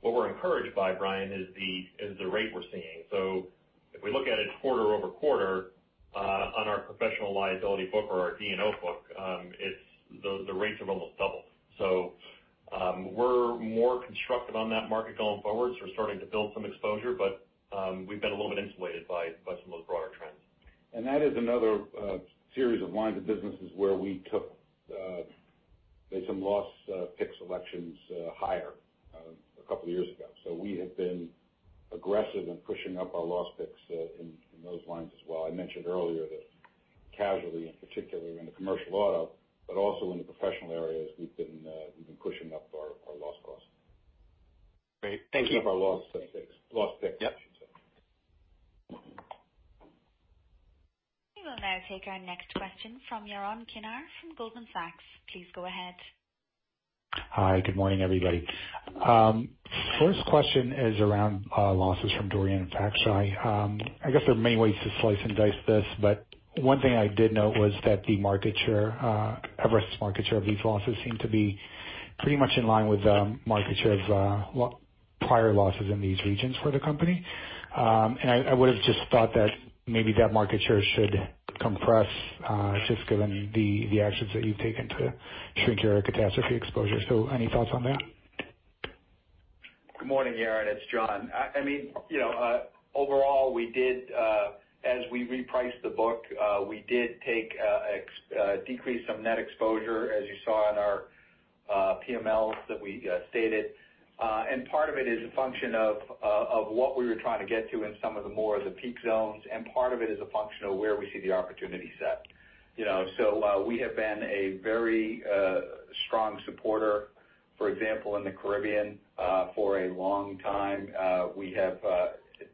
Speaker 7: What we're encouraged by, Brian, is the rate we're seeing. If we look at it quarter-over-quarter on our professional liability book or our D&O book, the rates have almost doubled. We're more constructive on that market going forward, so we're starting to build some exposure. We've been a little bit insulated by some of those broader trends.
Speaker 3: That is another series of lines of businesses where we took some loss pick selections higher a couple of years ago. We have been aggressive in pushing up our loss picks in those lines as well. I mentioned earlier that casualty and particularly in the commercial auto, but also in the professional areas, we've been pushing up our loss costs.
Speaker 10: Great. Thank you.
Speaker 3: Pushing up our loss picks, I should say.
Speaker 10: Yep.
Speaker 1: We will now take our next question from Yaron Kinar from Goldman Sachs. Please go ahead.
Speaker 11: Hi, good morning, everybody. First question is around losses from Dorian and Faxai. I guess there are many ways to slice and dice this, but one thing I did note was that Everest's market share of these losses seem to be pretty much in line with market share of prior losses in these regions for the company. I would've just thought that maybe that market share should compress, just given the actions that you've taken to shrink your catastrophe exposure. Any thoughts on that?
Speaker 6: Good morning, Yaron. It's John. As we repriced the book, we did decrease some net exposure, as you saw in our PMLs that we stated. Part of it is a function of what we were trying to get to in some of the more of the peak zones, part of it is a function of where we see the opportunity set. We have been a very strong supporter, for example, in the Caribbean for a long time. We have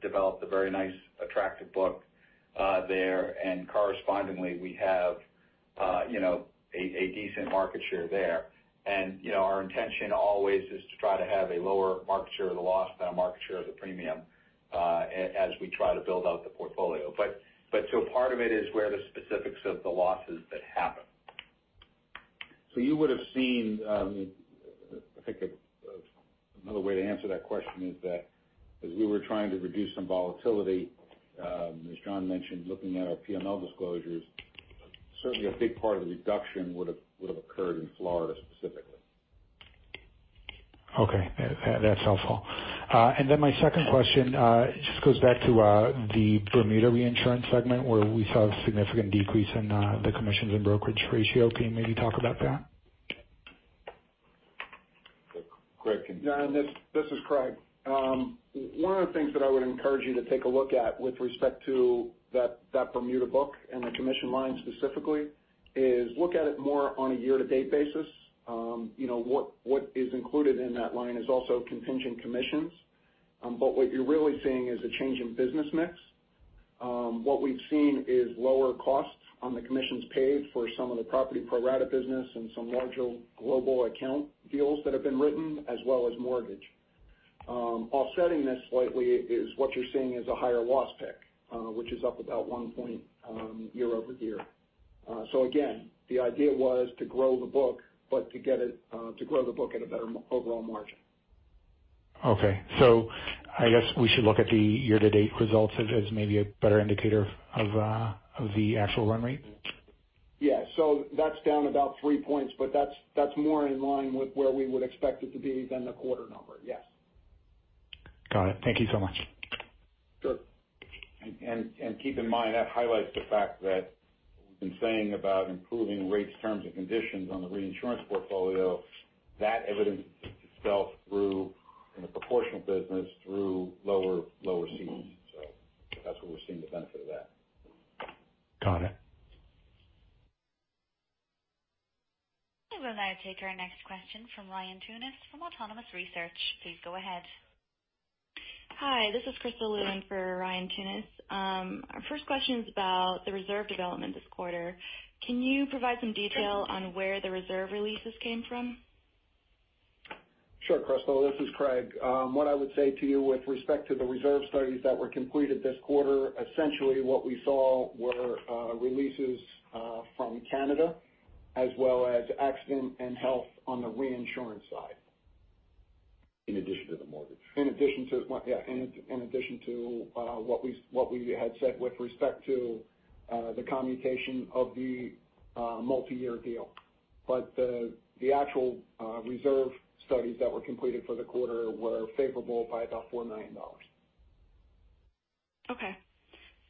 Speaker 6: developed a very nice, attractive book there. Correspondingly, we have a decent market share there. Our intention always is to try to have a lower market share of the loss than a market share of the premium as we try to build out the portfolio. Part of it is where the specifics of the losses that happen.
Speaker 3: You would've seen, I think another way to answer that question is that as we were trying to reduce some volatility, as John mentioned, looking at our PML disclosures, certainly a big part of the reduction would've occurred in Florida specifically.
Speaker 11: Okay. That's helpful. My second question just goes back to the Bermuda Reinsurance segment where we saw a significant decrease in the commissions and brokerage ratio. Can you maybe talk about that?
Speaker 3: Craig.
Speaker 5: Yeah, this is Craig. One of the things that I would encourage you to take a look at with respect to that Bermuda book and the commission line specifically is look at it more on a year-to-date basis. What is included in that line is also contingent commissions. What you're really seeing is a change in business mix. What we've seen is lower costs on the commissions paid for some of the property pro-rata business and some larger global account deals that have been written, as well as mortgage. Offsetting this slightly is what you're seeing is a higher loss pick, which is up about one point year-over-year. Again, the idea was to grow the book at a better overall margin.
Speaker 11: Okay. I guess we should look at the year-to-date results as maybe a better indicator of the actual run rate?
Speaker 5: Yeah. That's down about three points, but that's more in line with where we would expect it to be than the quarter number. Yes.
Speaker 11: Got it. Thank you so much.
Speaker 5: Sure.
Speaker 3: Keep in mind, that highlights the fact that we've been saying about improving rates, terms, and conditions on the reinsurance portfolio. That evidence itself through in the proportional business through lower cedes. That's where we're seeing the benefit of that.
Speaker 11: Got it.
Speaker 1: We will now take our next question from Ryan Tunis from Autonomous Research. Please go ahead.
Speaker 12: Hi, this is Crystal Lu in for Ryan Tunis. Our first question is about the reserve development this quarter. Can you provide some detail on where the reserve releases came from?
Speaker 5: Sure, Crystal, this is Craig. What I would say to you with respect to the reserve studies that were completed this quarter, essentially what we saw were releases from Canada as well as accident and health on the reinsurance side.
Speaker 3: In addition to the mortgage
Speaker 5: Yeah, in addition to what we had said with respect to the commutation of the multi-year deal. The actual reserve studies that were completed for the quarter were favorable by about $4 million.
Speaker 12: Okay,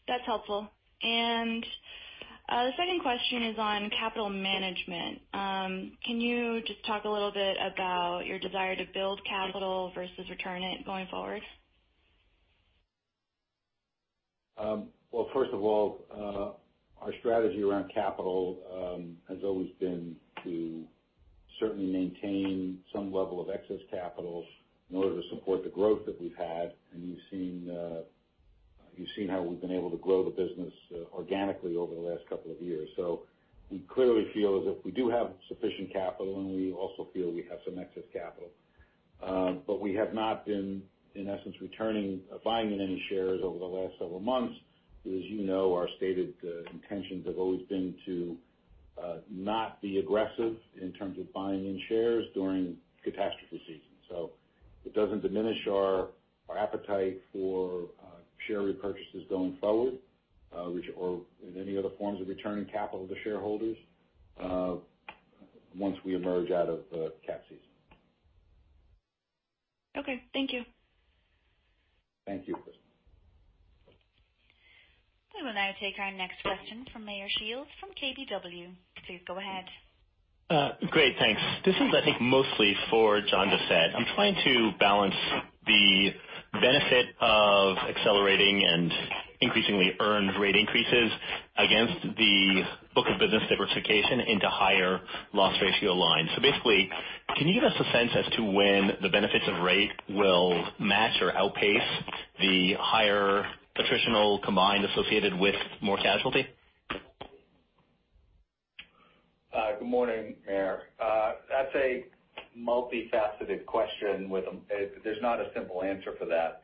Speaker 12: that's helpful. The second question is on capital management. Can you just talk a little bit about your desire to build capital versus return it going forward?
Speaker 3: First of all, our strategy around capital has always been to certainly maintain some level of excess capital in order to support the growth that we've had. You've seen how we've been able to grow the business organically over the last couple of years. We clearly feel as if we do have sufficient capital, and we also feel we have some excess capital. We have not been, in essence, buying in any shares over the last several months, because you know our stated intentions have always been to not be aggressive in terms of buying in shares during catastrophe season. It doesn't diminish our appetite for share repurchases going forward, or any other forms of returning capital to shareholders once we emerge out of cat season.
Speaker 12: Okay. Thank you.
Speaker 3: Thank you.
Speaker 1: We will now take our next question from Meyer Shields from KBW. Please go ahead.
Speaker 13: Great. Thanks. This is, I think, mostly for John Doucette. I'm trying to balance the benefit of accelerating and increasingly earned rate increases against the book of business diversification into higher loss ratio lines. Basically, can you give us a sense as to when the benefits of rate will match or outpace the higher attritional combined associated with more casualty?
Speaker 6: Good morning, Meyer. That's a multifaceted question. There's not a simple answer for that.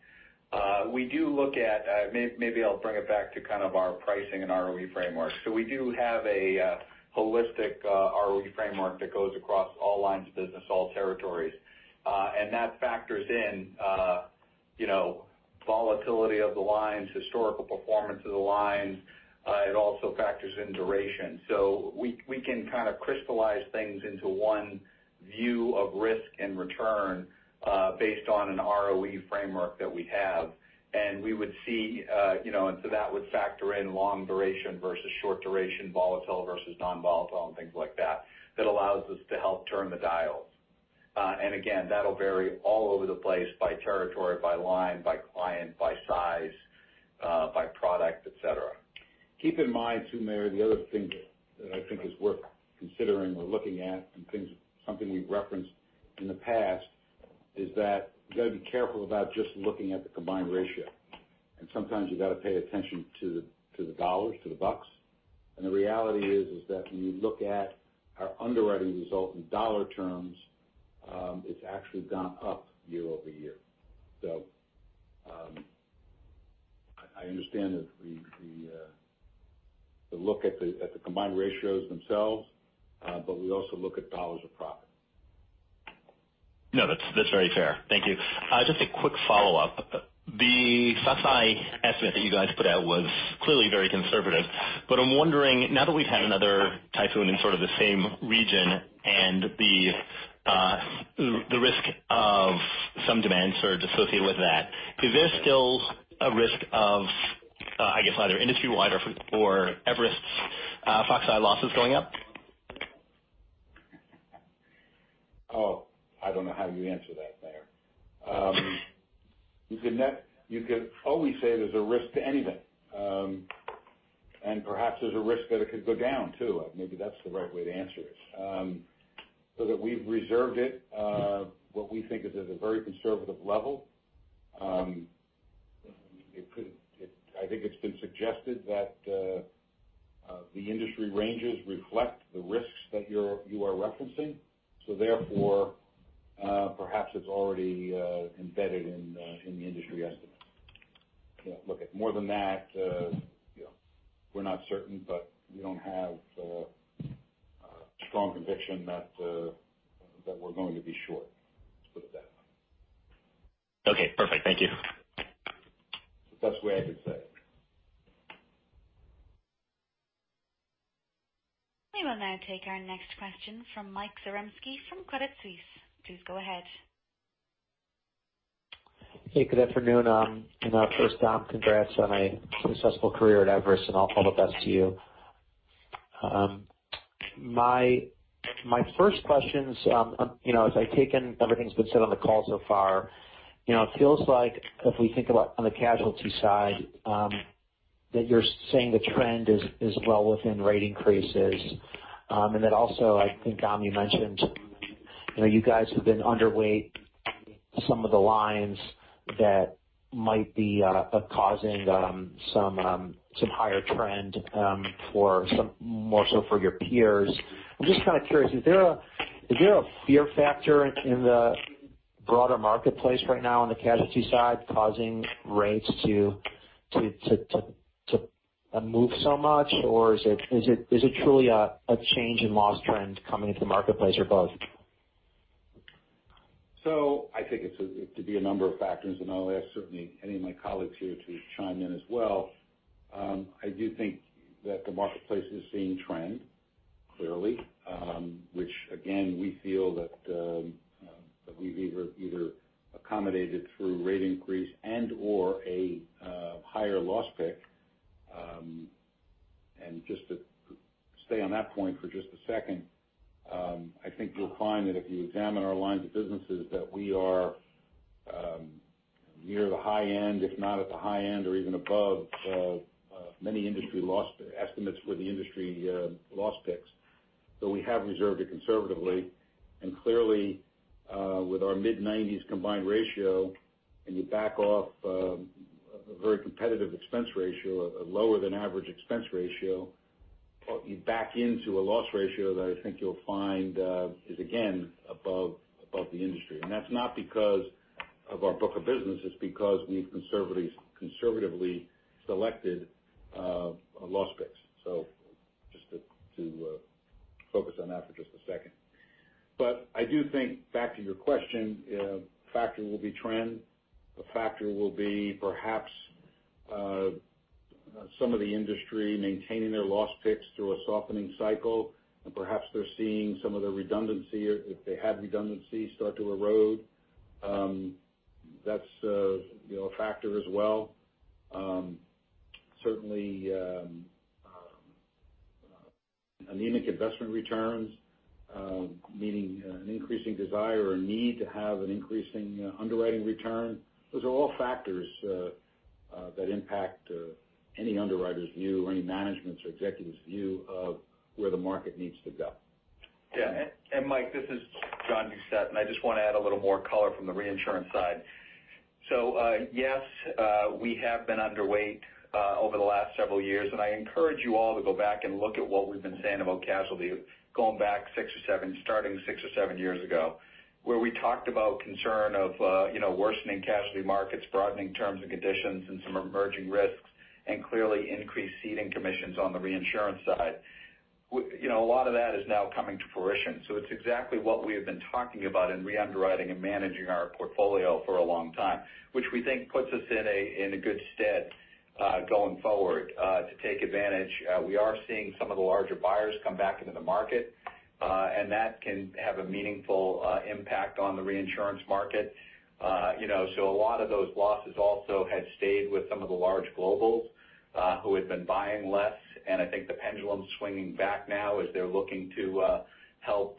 Speaker 6: We do look at, maybe I'll bring it back to kind of our pricing and ROE framework. We do have a holistic ROE framework that goes across all lines of business, all territories. That factors in volatility of the lines, historical performance of the lines. It also factors in duration. We can kind of crystallize things into one view of risk and return based on an ROE framework that we have. That would factor in long duration versus short duration, volatile versus non-volatile, and things like that allows us to help turn the dials. Again, that'll vary all over the place by territory, by line, by client, by size, by product, et cetera. Keep in mind too, Meyer, the other thing that I think is worth considering or looking at, and something we've referenced in the past, is that you've got to be careful about just looking at the combined ratio. Sometimes you've got to pay attention to the dollars, to the bucks. The reality is that when you look at our underwriting result in dollar terms, it's actually gone up year-over-year. I understand that we look at the combined ratios themselves, but we also look at dollars of profit.
Speaker 13: No, that's very fair. Thank you. A quick follow-up. The Faxai estimate that you guys put out was clearly very conservative, but I'm wondering, now that we've had another typhoon in sort of the same region and the risk of some demand surge associated with that, is there still a risk of, I guess, either industry-wide or Everest's Faxai losses going up?
Speaker 3: Oh, I don't know how you answer that, Meyer. You could always say there's a risk to anything. Perhaps there's a risk that it could go down, too. Maybe that's the right way to answer it. That we've reserved it, what we think is at a very conservative level. I think it's been suggested that the industry ranges reflect the risks that you are referencing. Therefore, perhaps it's already embedded in the industry estimate. More than that, we're not certain, but we don't have a strong conviction that we're going to be short, let's put it that way.
Speaker 13: Okay, perfect. Thank you.
Speaker 3: That's the way I could say it.
Speaker 1: We will now take our next question from Michael Zaremski from Credit Suisse. Please go ahead.
Speaker 14: Hey, good afternoon. First, Dom, congrats on a successful career at Everest, and all the best to you. My first question's, as I take in everything that's been said on the call so far, it feels like if we think about on the casualty side, that you're saying the trend is well within rate increases. Then also, I think, Dom, you mentioned you guys have been underweight some of the lines that might be causing some higher trend, more so for your peers. I'm just kind of curious, is there a fear factor in the broader marketplace right now on the casualty side causing rates to move so much, or is it truly a change in loss trend coming into the marketplace, or both?
Speaker 3: I think it could be a number of factors, and I'll ask certainly any of my colleagues here to chime in as well. I do think that the marketplace is seeing trend, clearly, which again, we feel that we've either accommodated through rate increase and/or a higher loss pick. Just to stay on that point for just a second, I think you'll find that if you examine our lines of businesses, that we are near the high end, if not at the high end or even above many industry loss estimates for the industry loss picks, so we have reserved it conservatively. Clearly, with our mid-nineties combined ratio, and you back off a very competitive expense ratio, a lower than average expense ratio, you back into a loss ratio that I think you'll find, is again above the industry. That's not because of our book of business, it's because we've conservatively selected our loss picks. Just to focus on that for just a second. I do think, back to your question, a factor will be trend. A factor will be perhaps some of the industry maintaining their loss picks through a softening cycle, and perhaps they're seeing some of the redundancy or if they had redundancy start to erode. That's a factor as well. Anemic investment returns, meaning an increasing desire or a need to have an increasing underwriting return. Those are all factors that impact any underwriter's view or any management's or executive's view of where the market needs to go.
Speaker 6: Yeah. Mike, this is John Doucette, and I just want to add a little more color from the reinsurance side. Yes, we have been underweight over the last several years. I encourage you all to go back and look at what we've been saying about casualty going back six or seven, starting six or seven years ago, where we talked about concern of worsening casualty markets, broadening terms and conditions, and some emerging risks, and clearly increased ceding commissions on the reinsurance side. A lot of that is now coming to fruition. It's exactly what we have been talking about in re-underwriting and managing our portfolio for a long time, which we think puts us in a good stead going forward to take advantage. We are seeing some of the larger buyers come back into the market. That can have a meaningful impact on the reinsurance market. A lot of those losses also had stayed with some of the large globals who had been buying less. I think the pendulum's swinging back now as they're looking to help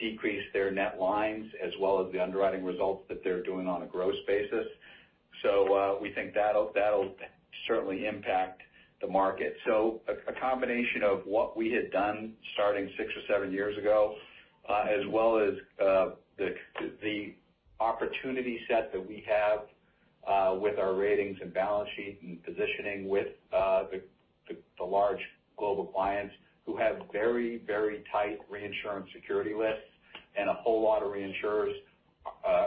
Speaker 6: decrease their net lines as well as the underwriting results that they're doing on a gross basis. We think that'll certainly impact the market. A combination of what we had done starting six or seven years ago, as well as the opportunity set that we have with our ratings and balance sheet and positioning with the large global clients who have very tight reinsurance security lists and a whole lot of reinsurers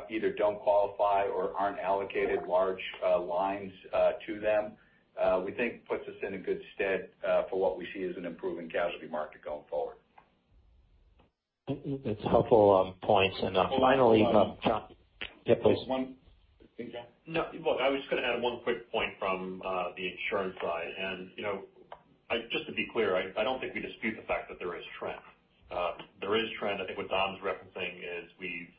Speaker 6: either don't qualify or aren't allocated large lines to them, we think puts us in a good stead for what we see as an improving casualty market going forward.
Speaker 14: That's helpful points. Finally, Jonathan. Yeah, please.
Speaker 7: Just one thing, yeah. Look, I was just going to add one quick point from the insurance side. Just to be clear, I don't think we dispute the fact that there is trend. There is trend. I think what Dom is referencing is we've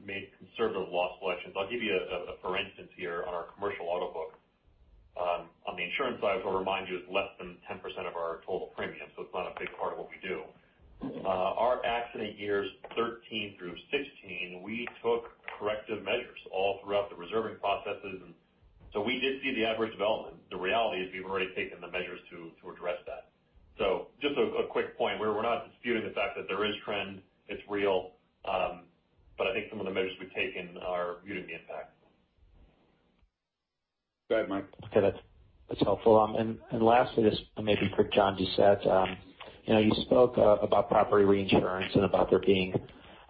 Speaker 7: made conservative loss selections. I'll give you a for instance here on our commercial auto book. On the insurance side, which I'll remind you, is less than 10% of our total premium, so it's not a big part of what we do. Our accident years 2013 through 2016, we took corrective measures all throughout the reserving processes, we did see the adverse development. The reality is we've already taken the measures to address that. Just a quick point. We're not disputing the fact that there is trend. It's real. I think some of the measures we've taken are muting the impact.
Speaker 6: Go ahead, Mike.
Speaker 14: Okay, that's helpful. Lastly, this maybe for John Doucette. You spoke about property reinsurance and about there being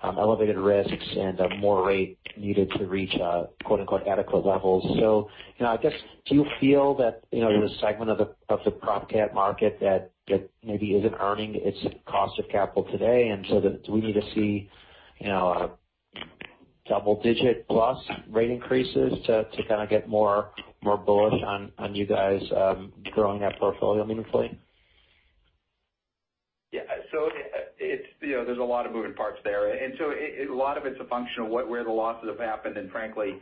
Speaker 14: elevated risks and more rate needed to reach "adequate levels." I guess, do you feel that there's a segment of the prop cat market that maybe isn't earning its cost of capital today? Do we need to see double-digit plus rate increases to kind of get more bullish on you guys growing that portfolio meaningfully?
Speaker 6: Yeah. There's a lot of moving parts there. A lot of it's a function of where the losses have happened and frankly,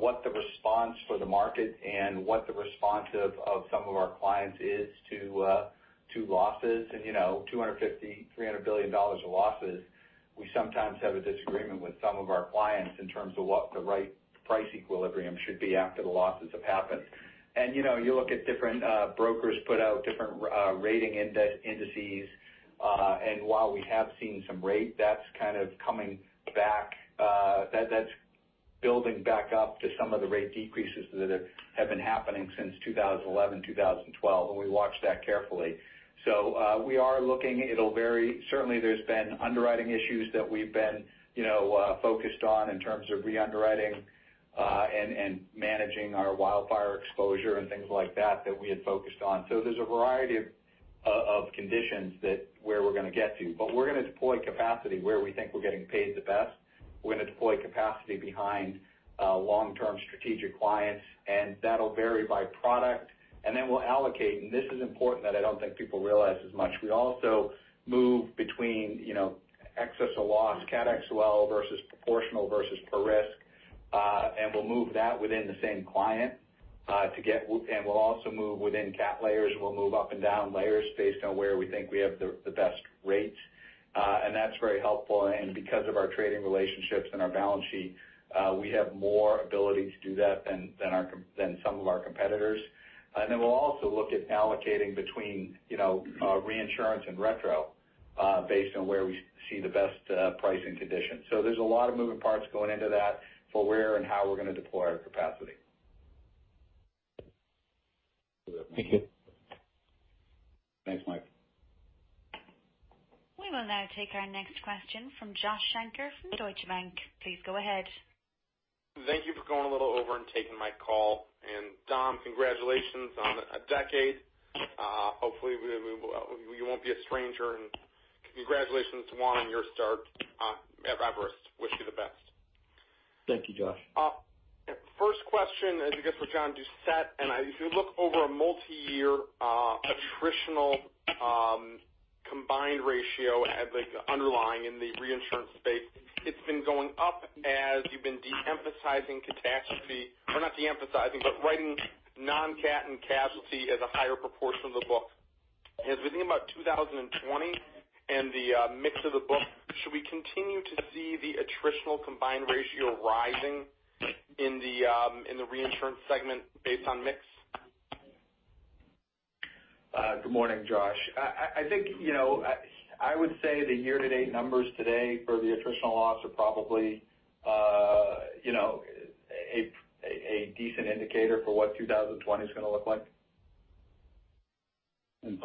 Speaker 6: what the response for the market and what the response of some of our clients is to losses. $250 billion, $300 billion of losses, we sometimes have a disagreement with some of our clients in terms of what the right price equilibrium should be after the losses have happened. You look at different brokers put out different rating indices, and while we have seen some rate that's kind of coming back, that's building back up to some of the rate decreases that have been happening since 2011, 2012, and we watch that carefully. We are looking. Certainly there's been underwriting issues that we've been focused on in terms of re-underwriting and managing our wildfire exposure and things like that we had focused on. There's a variety of conditions where we're going to get to. We're going to deploy capacity where we think we're getting paid the best. We're going to deploy capacity behind long-term strategic clients, and that'll vary by product. Then we'll allocate, and this is important that I don't think people realize as much. We also move between excess of loss, cat XL versus proportional versus per risk. We'll move that within the same client, and we'll also move within cat layers. We'll move up and down layers based on where we think we have the best rates. That's very helpful. Because of our trading relationships and our balance sheet, we have more ability to do that than some of our competitors. Then we'll also look at allocating between reinsurance and retrocession based on where we see the best pricing conditions. There's a lot of moving parts going into that for where and how we're going to deploy our capacity.
Speaker 14: Thank you.
Speaker 6: Thanks, Mike.
Speaker 1: We will now take our next question from Joshua Shanker from Deutsche Bank. Please go ahead.
Speaker 15: Thank you for going a little over and taking my call. Dom, congratulations on a decade. Hopefully you won't be a stranger. Congratulations to Juan on your start at Everest. Wish you the best.
Speaker 4: Thank you, Josh.
Speaker 15: First question is, I guess, for John Doucette. If you look over a multi-year attritional combined ratio at the underlying in the reinsurance space, it's been going up as you've been de-emphasizing catastrophe, or not de-emphasizing, but writing non-cat and casualty as a higher proportion of the book. As we think about 2020 and the mix of the book, should we continue to see the attritional combined ratio rising in the Reinsurance segment based on mix?
Speaker 6: Good morning, Josh. I think I would say the year-to-date numbers today for the attritional loss are probably a decent indicator for what 2020's going to look like.
Speaker 3: Again,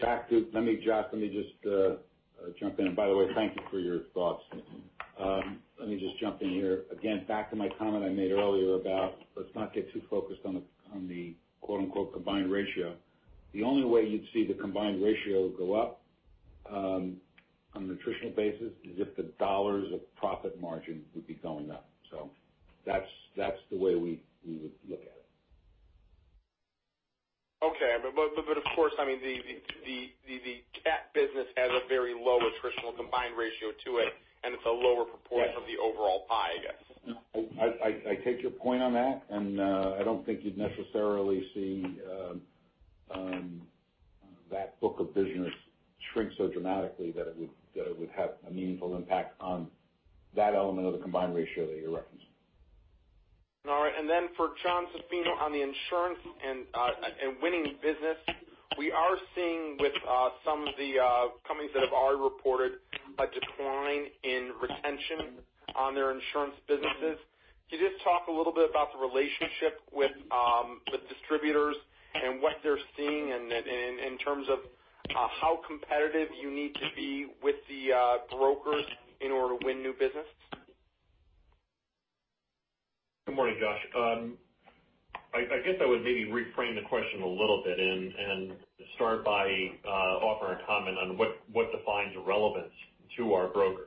Speaker 3: let me, Josh, let me just jump in. By the way, thank you for your thoughts. Let me just jump in here. Again, back to my comment I made earlier about let's not get too focused on the "combined ratio." The only way you'd see the combined ratio go up on an attritional basis is if the dollars of profit margin would be going up. That's the way we would look at it.
Speaker 15: Okay. Of course, the cat business has a very low attritional combined ratio to it, and it's a lower proportion.
Speaker 3: Yes
Speaker 15: Of the overall pie, I guess.
Speaker 3: I take your point on that, and I don't think you'd necessarily see that book of business shrink so dramatically that it would have a meaningful impact on that element of the combined ratio that you're referencing.
Speaker 15: All right. For Jonathan Zaffino on the insurance and winning business. We are seeing with some of the companies that have already reported a decline in retention on their insurance businesses. Could you just talk a little bit about the relationship with distributors and what they're seeing in terms of how competitive you need to be with the brokers in order to win new business?
Speaker 7: Good morning, Josh. I guess I would maybe reframe the question a little bit and start by offering a comment on what defines relevance to our brokers.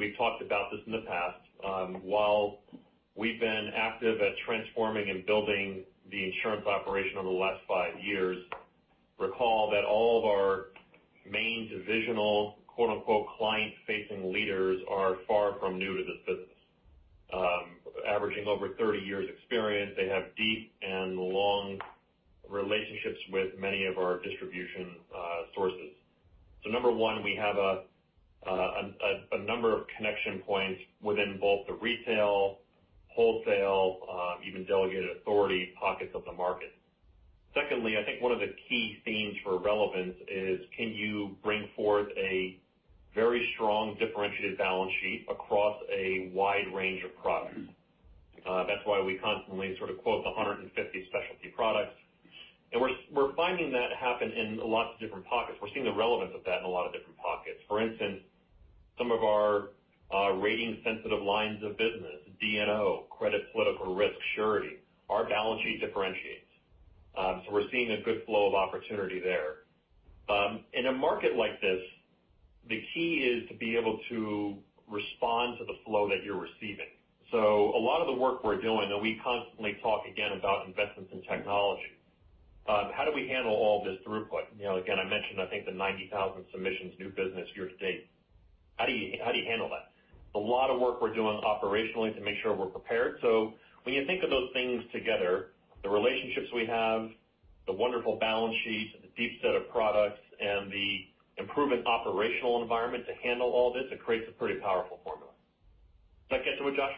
Speaker 7: We've talked about this in the past, while we've been active at transforming and building the insurance operation over the last five years, recall that all of our main divisional "client-facing leaders" are far from new to this business. Averaging over 30 years experience, they have deep and long relationships with many of our distribution sources. Number one, we have a number of connection points within both the retail, wholesale, even delegated authority pockets of the market. Secondly, I think one of the key themes for relevance is can you bring forth a very strong differentiated balance sheet across a wide range of products? That's why we constantly quote the 150 specialty products. We're finding that happen in lots of different pockets. We're seeing the relevance of that in a lot of different pockets. For instance, some of our rating-sensitive lines of business, D&O, credit, political risk, surety, our balance sheet differentiates. We're seeing a good flow of opportunity there. In a market like this, the key is to be able to respond to the flow that you're receiving. A lot of the work we're doing, and we constantly talk again about investments in technology. How do we handle all this throughput? Again, I mentioned, I think the 90,000 submissions new business year to date. How do you handle that? It's a lot of work we're doing operationally to make sure we're prepared. When you think of those things together, the relationships we have, the wonderful balance sheet, the deep set of products, and the improvement operational environment to handle all this, it creates a pretty powerful formula. Does that get to it, Josh?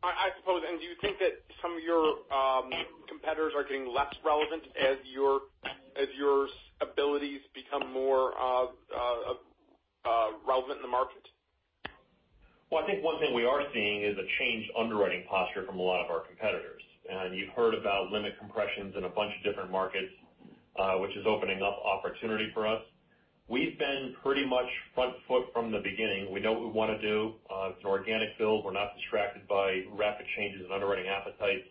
Speaker 15: I suppose. Do you think that some of your competitors are getting less relevant as your abilities become more relevant in the market?
Speaker 7: Well, I think one thing we are seeing is a changed underwriting posture from a lot of our competitors. You've heard about limit compressions in a bunch of different markets, which is opening up opportunity for us. We've been pretty much front foot from the beginning. We know what we want to do. It's an organic build. We're not distracted by rapid changes in underwriting appetite.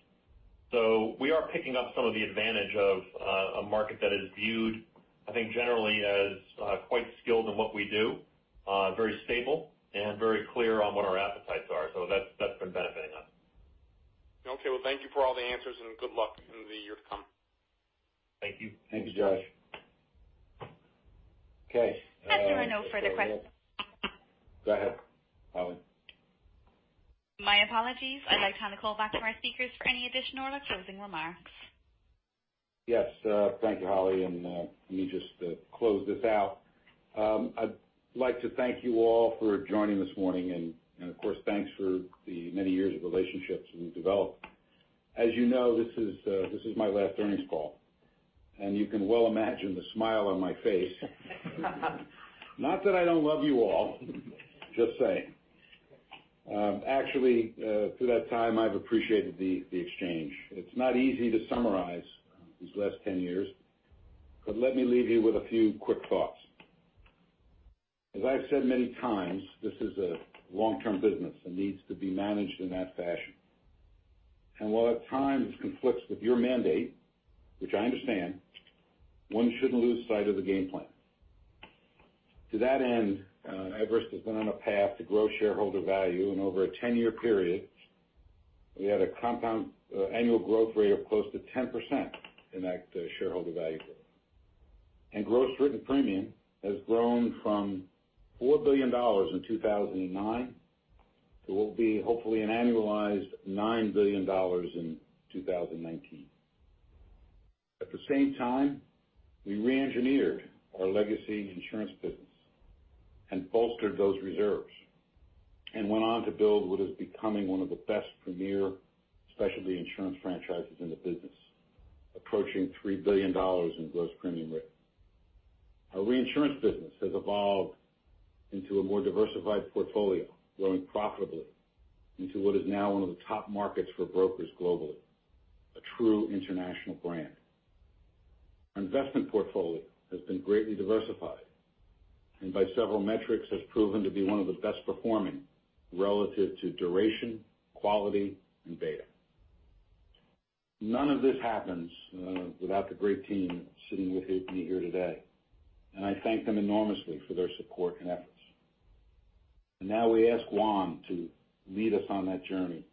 Speaker 7: We are picking up some of the advantage of a market that is viewed, I think, generally as quite skilled in what we do, very stable, and very clear on what our appetites are. That's been benefiting us.
Speaker 15: Okay. Well, thank you for all the answers, and good luck in the year to come.
Speaker 7: Thank you.
Speaker 3: Thank you, Josh. Okay, I guess that's all we have.
Speaker 1: There are no further questions.
Speaker 3: Go ahead, Holly.
Speaker 1: My apologies. I'd like to turn the call back to our speakers for any additional or closing remarks.
Speaker 3: Thank you, Holly, let me just close this out. I'd like to thank you all for joining this morning, of course, thanks for the many years of relationships we've developed. As you know, this is my last earnings call, you can well imagine the smile on my face. Not that I don't love you all. Just saying. Actually, through that time, I've appreciated the exchange. It's not easy to summarize these last 10 years, let me leave you with a few quick thoughts. As I've said many times, this is a long-term business needs to be managed in that fashion. While at times it conflicts with your mandate, which I understand, one shouldn't lose sight of the game plan. To that end, Everest has been on a path to grow shareholder value and over a 10-year period, we had a compound annual growth rate of close to 10% in that shareholder value growth. Gross written premium has grown from $4 billion in 2009 to what will be hopefully an annualized $9 billion in 2019. At the same time, we re-engineered our legacy insurance business and bolstered those reserves, and went on to build what is becoming one of the best premier specialty insurance franchises in the business, approaching $3 billion in gross premium written. Our reinsurance business has evolved into a more diversified portfolio, growing profitably into what is now one of the top markets for brokers globally, a true international brand. Our investment portfolio has been greatly diversified, and by several metrics, has proven to be one of the best performing relative to duration, quality, and beta. None of this happens without the great team sitting with me here today, and I thank them enormously for their support and efforts. Now we ask Juan to lead us on that journey.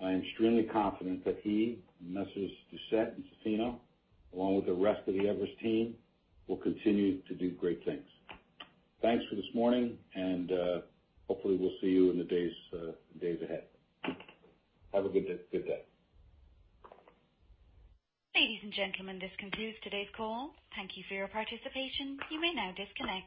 Speaker 3: I am extremely confident that he, Messrs. Doucette and Zaffino, along with the rest of the Everest team, will continue to do great things. Thanks for this morning, and hopefully, we'll see you in the days ahead. Have a good day.
Speaker 1: Ladies and gentlemen, this concludes today's call. Thank you for your participation. You may now disconnect.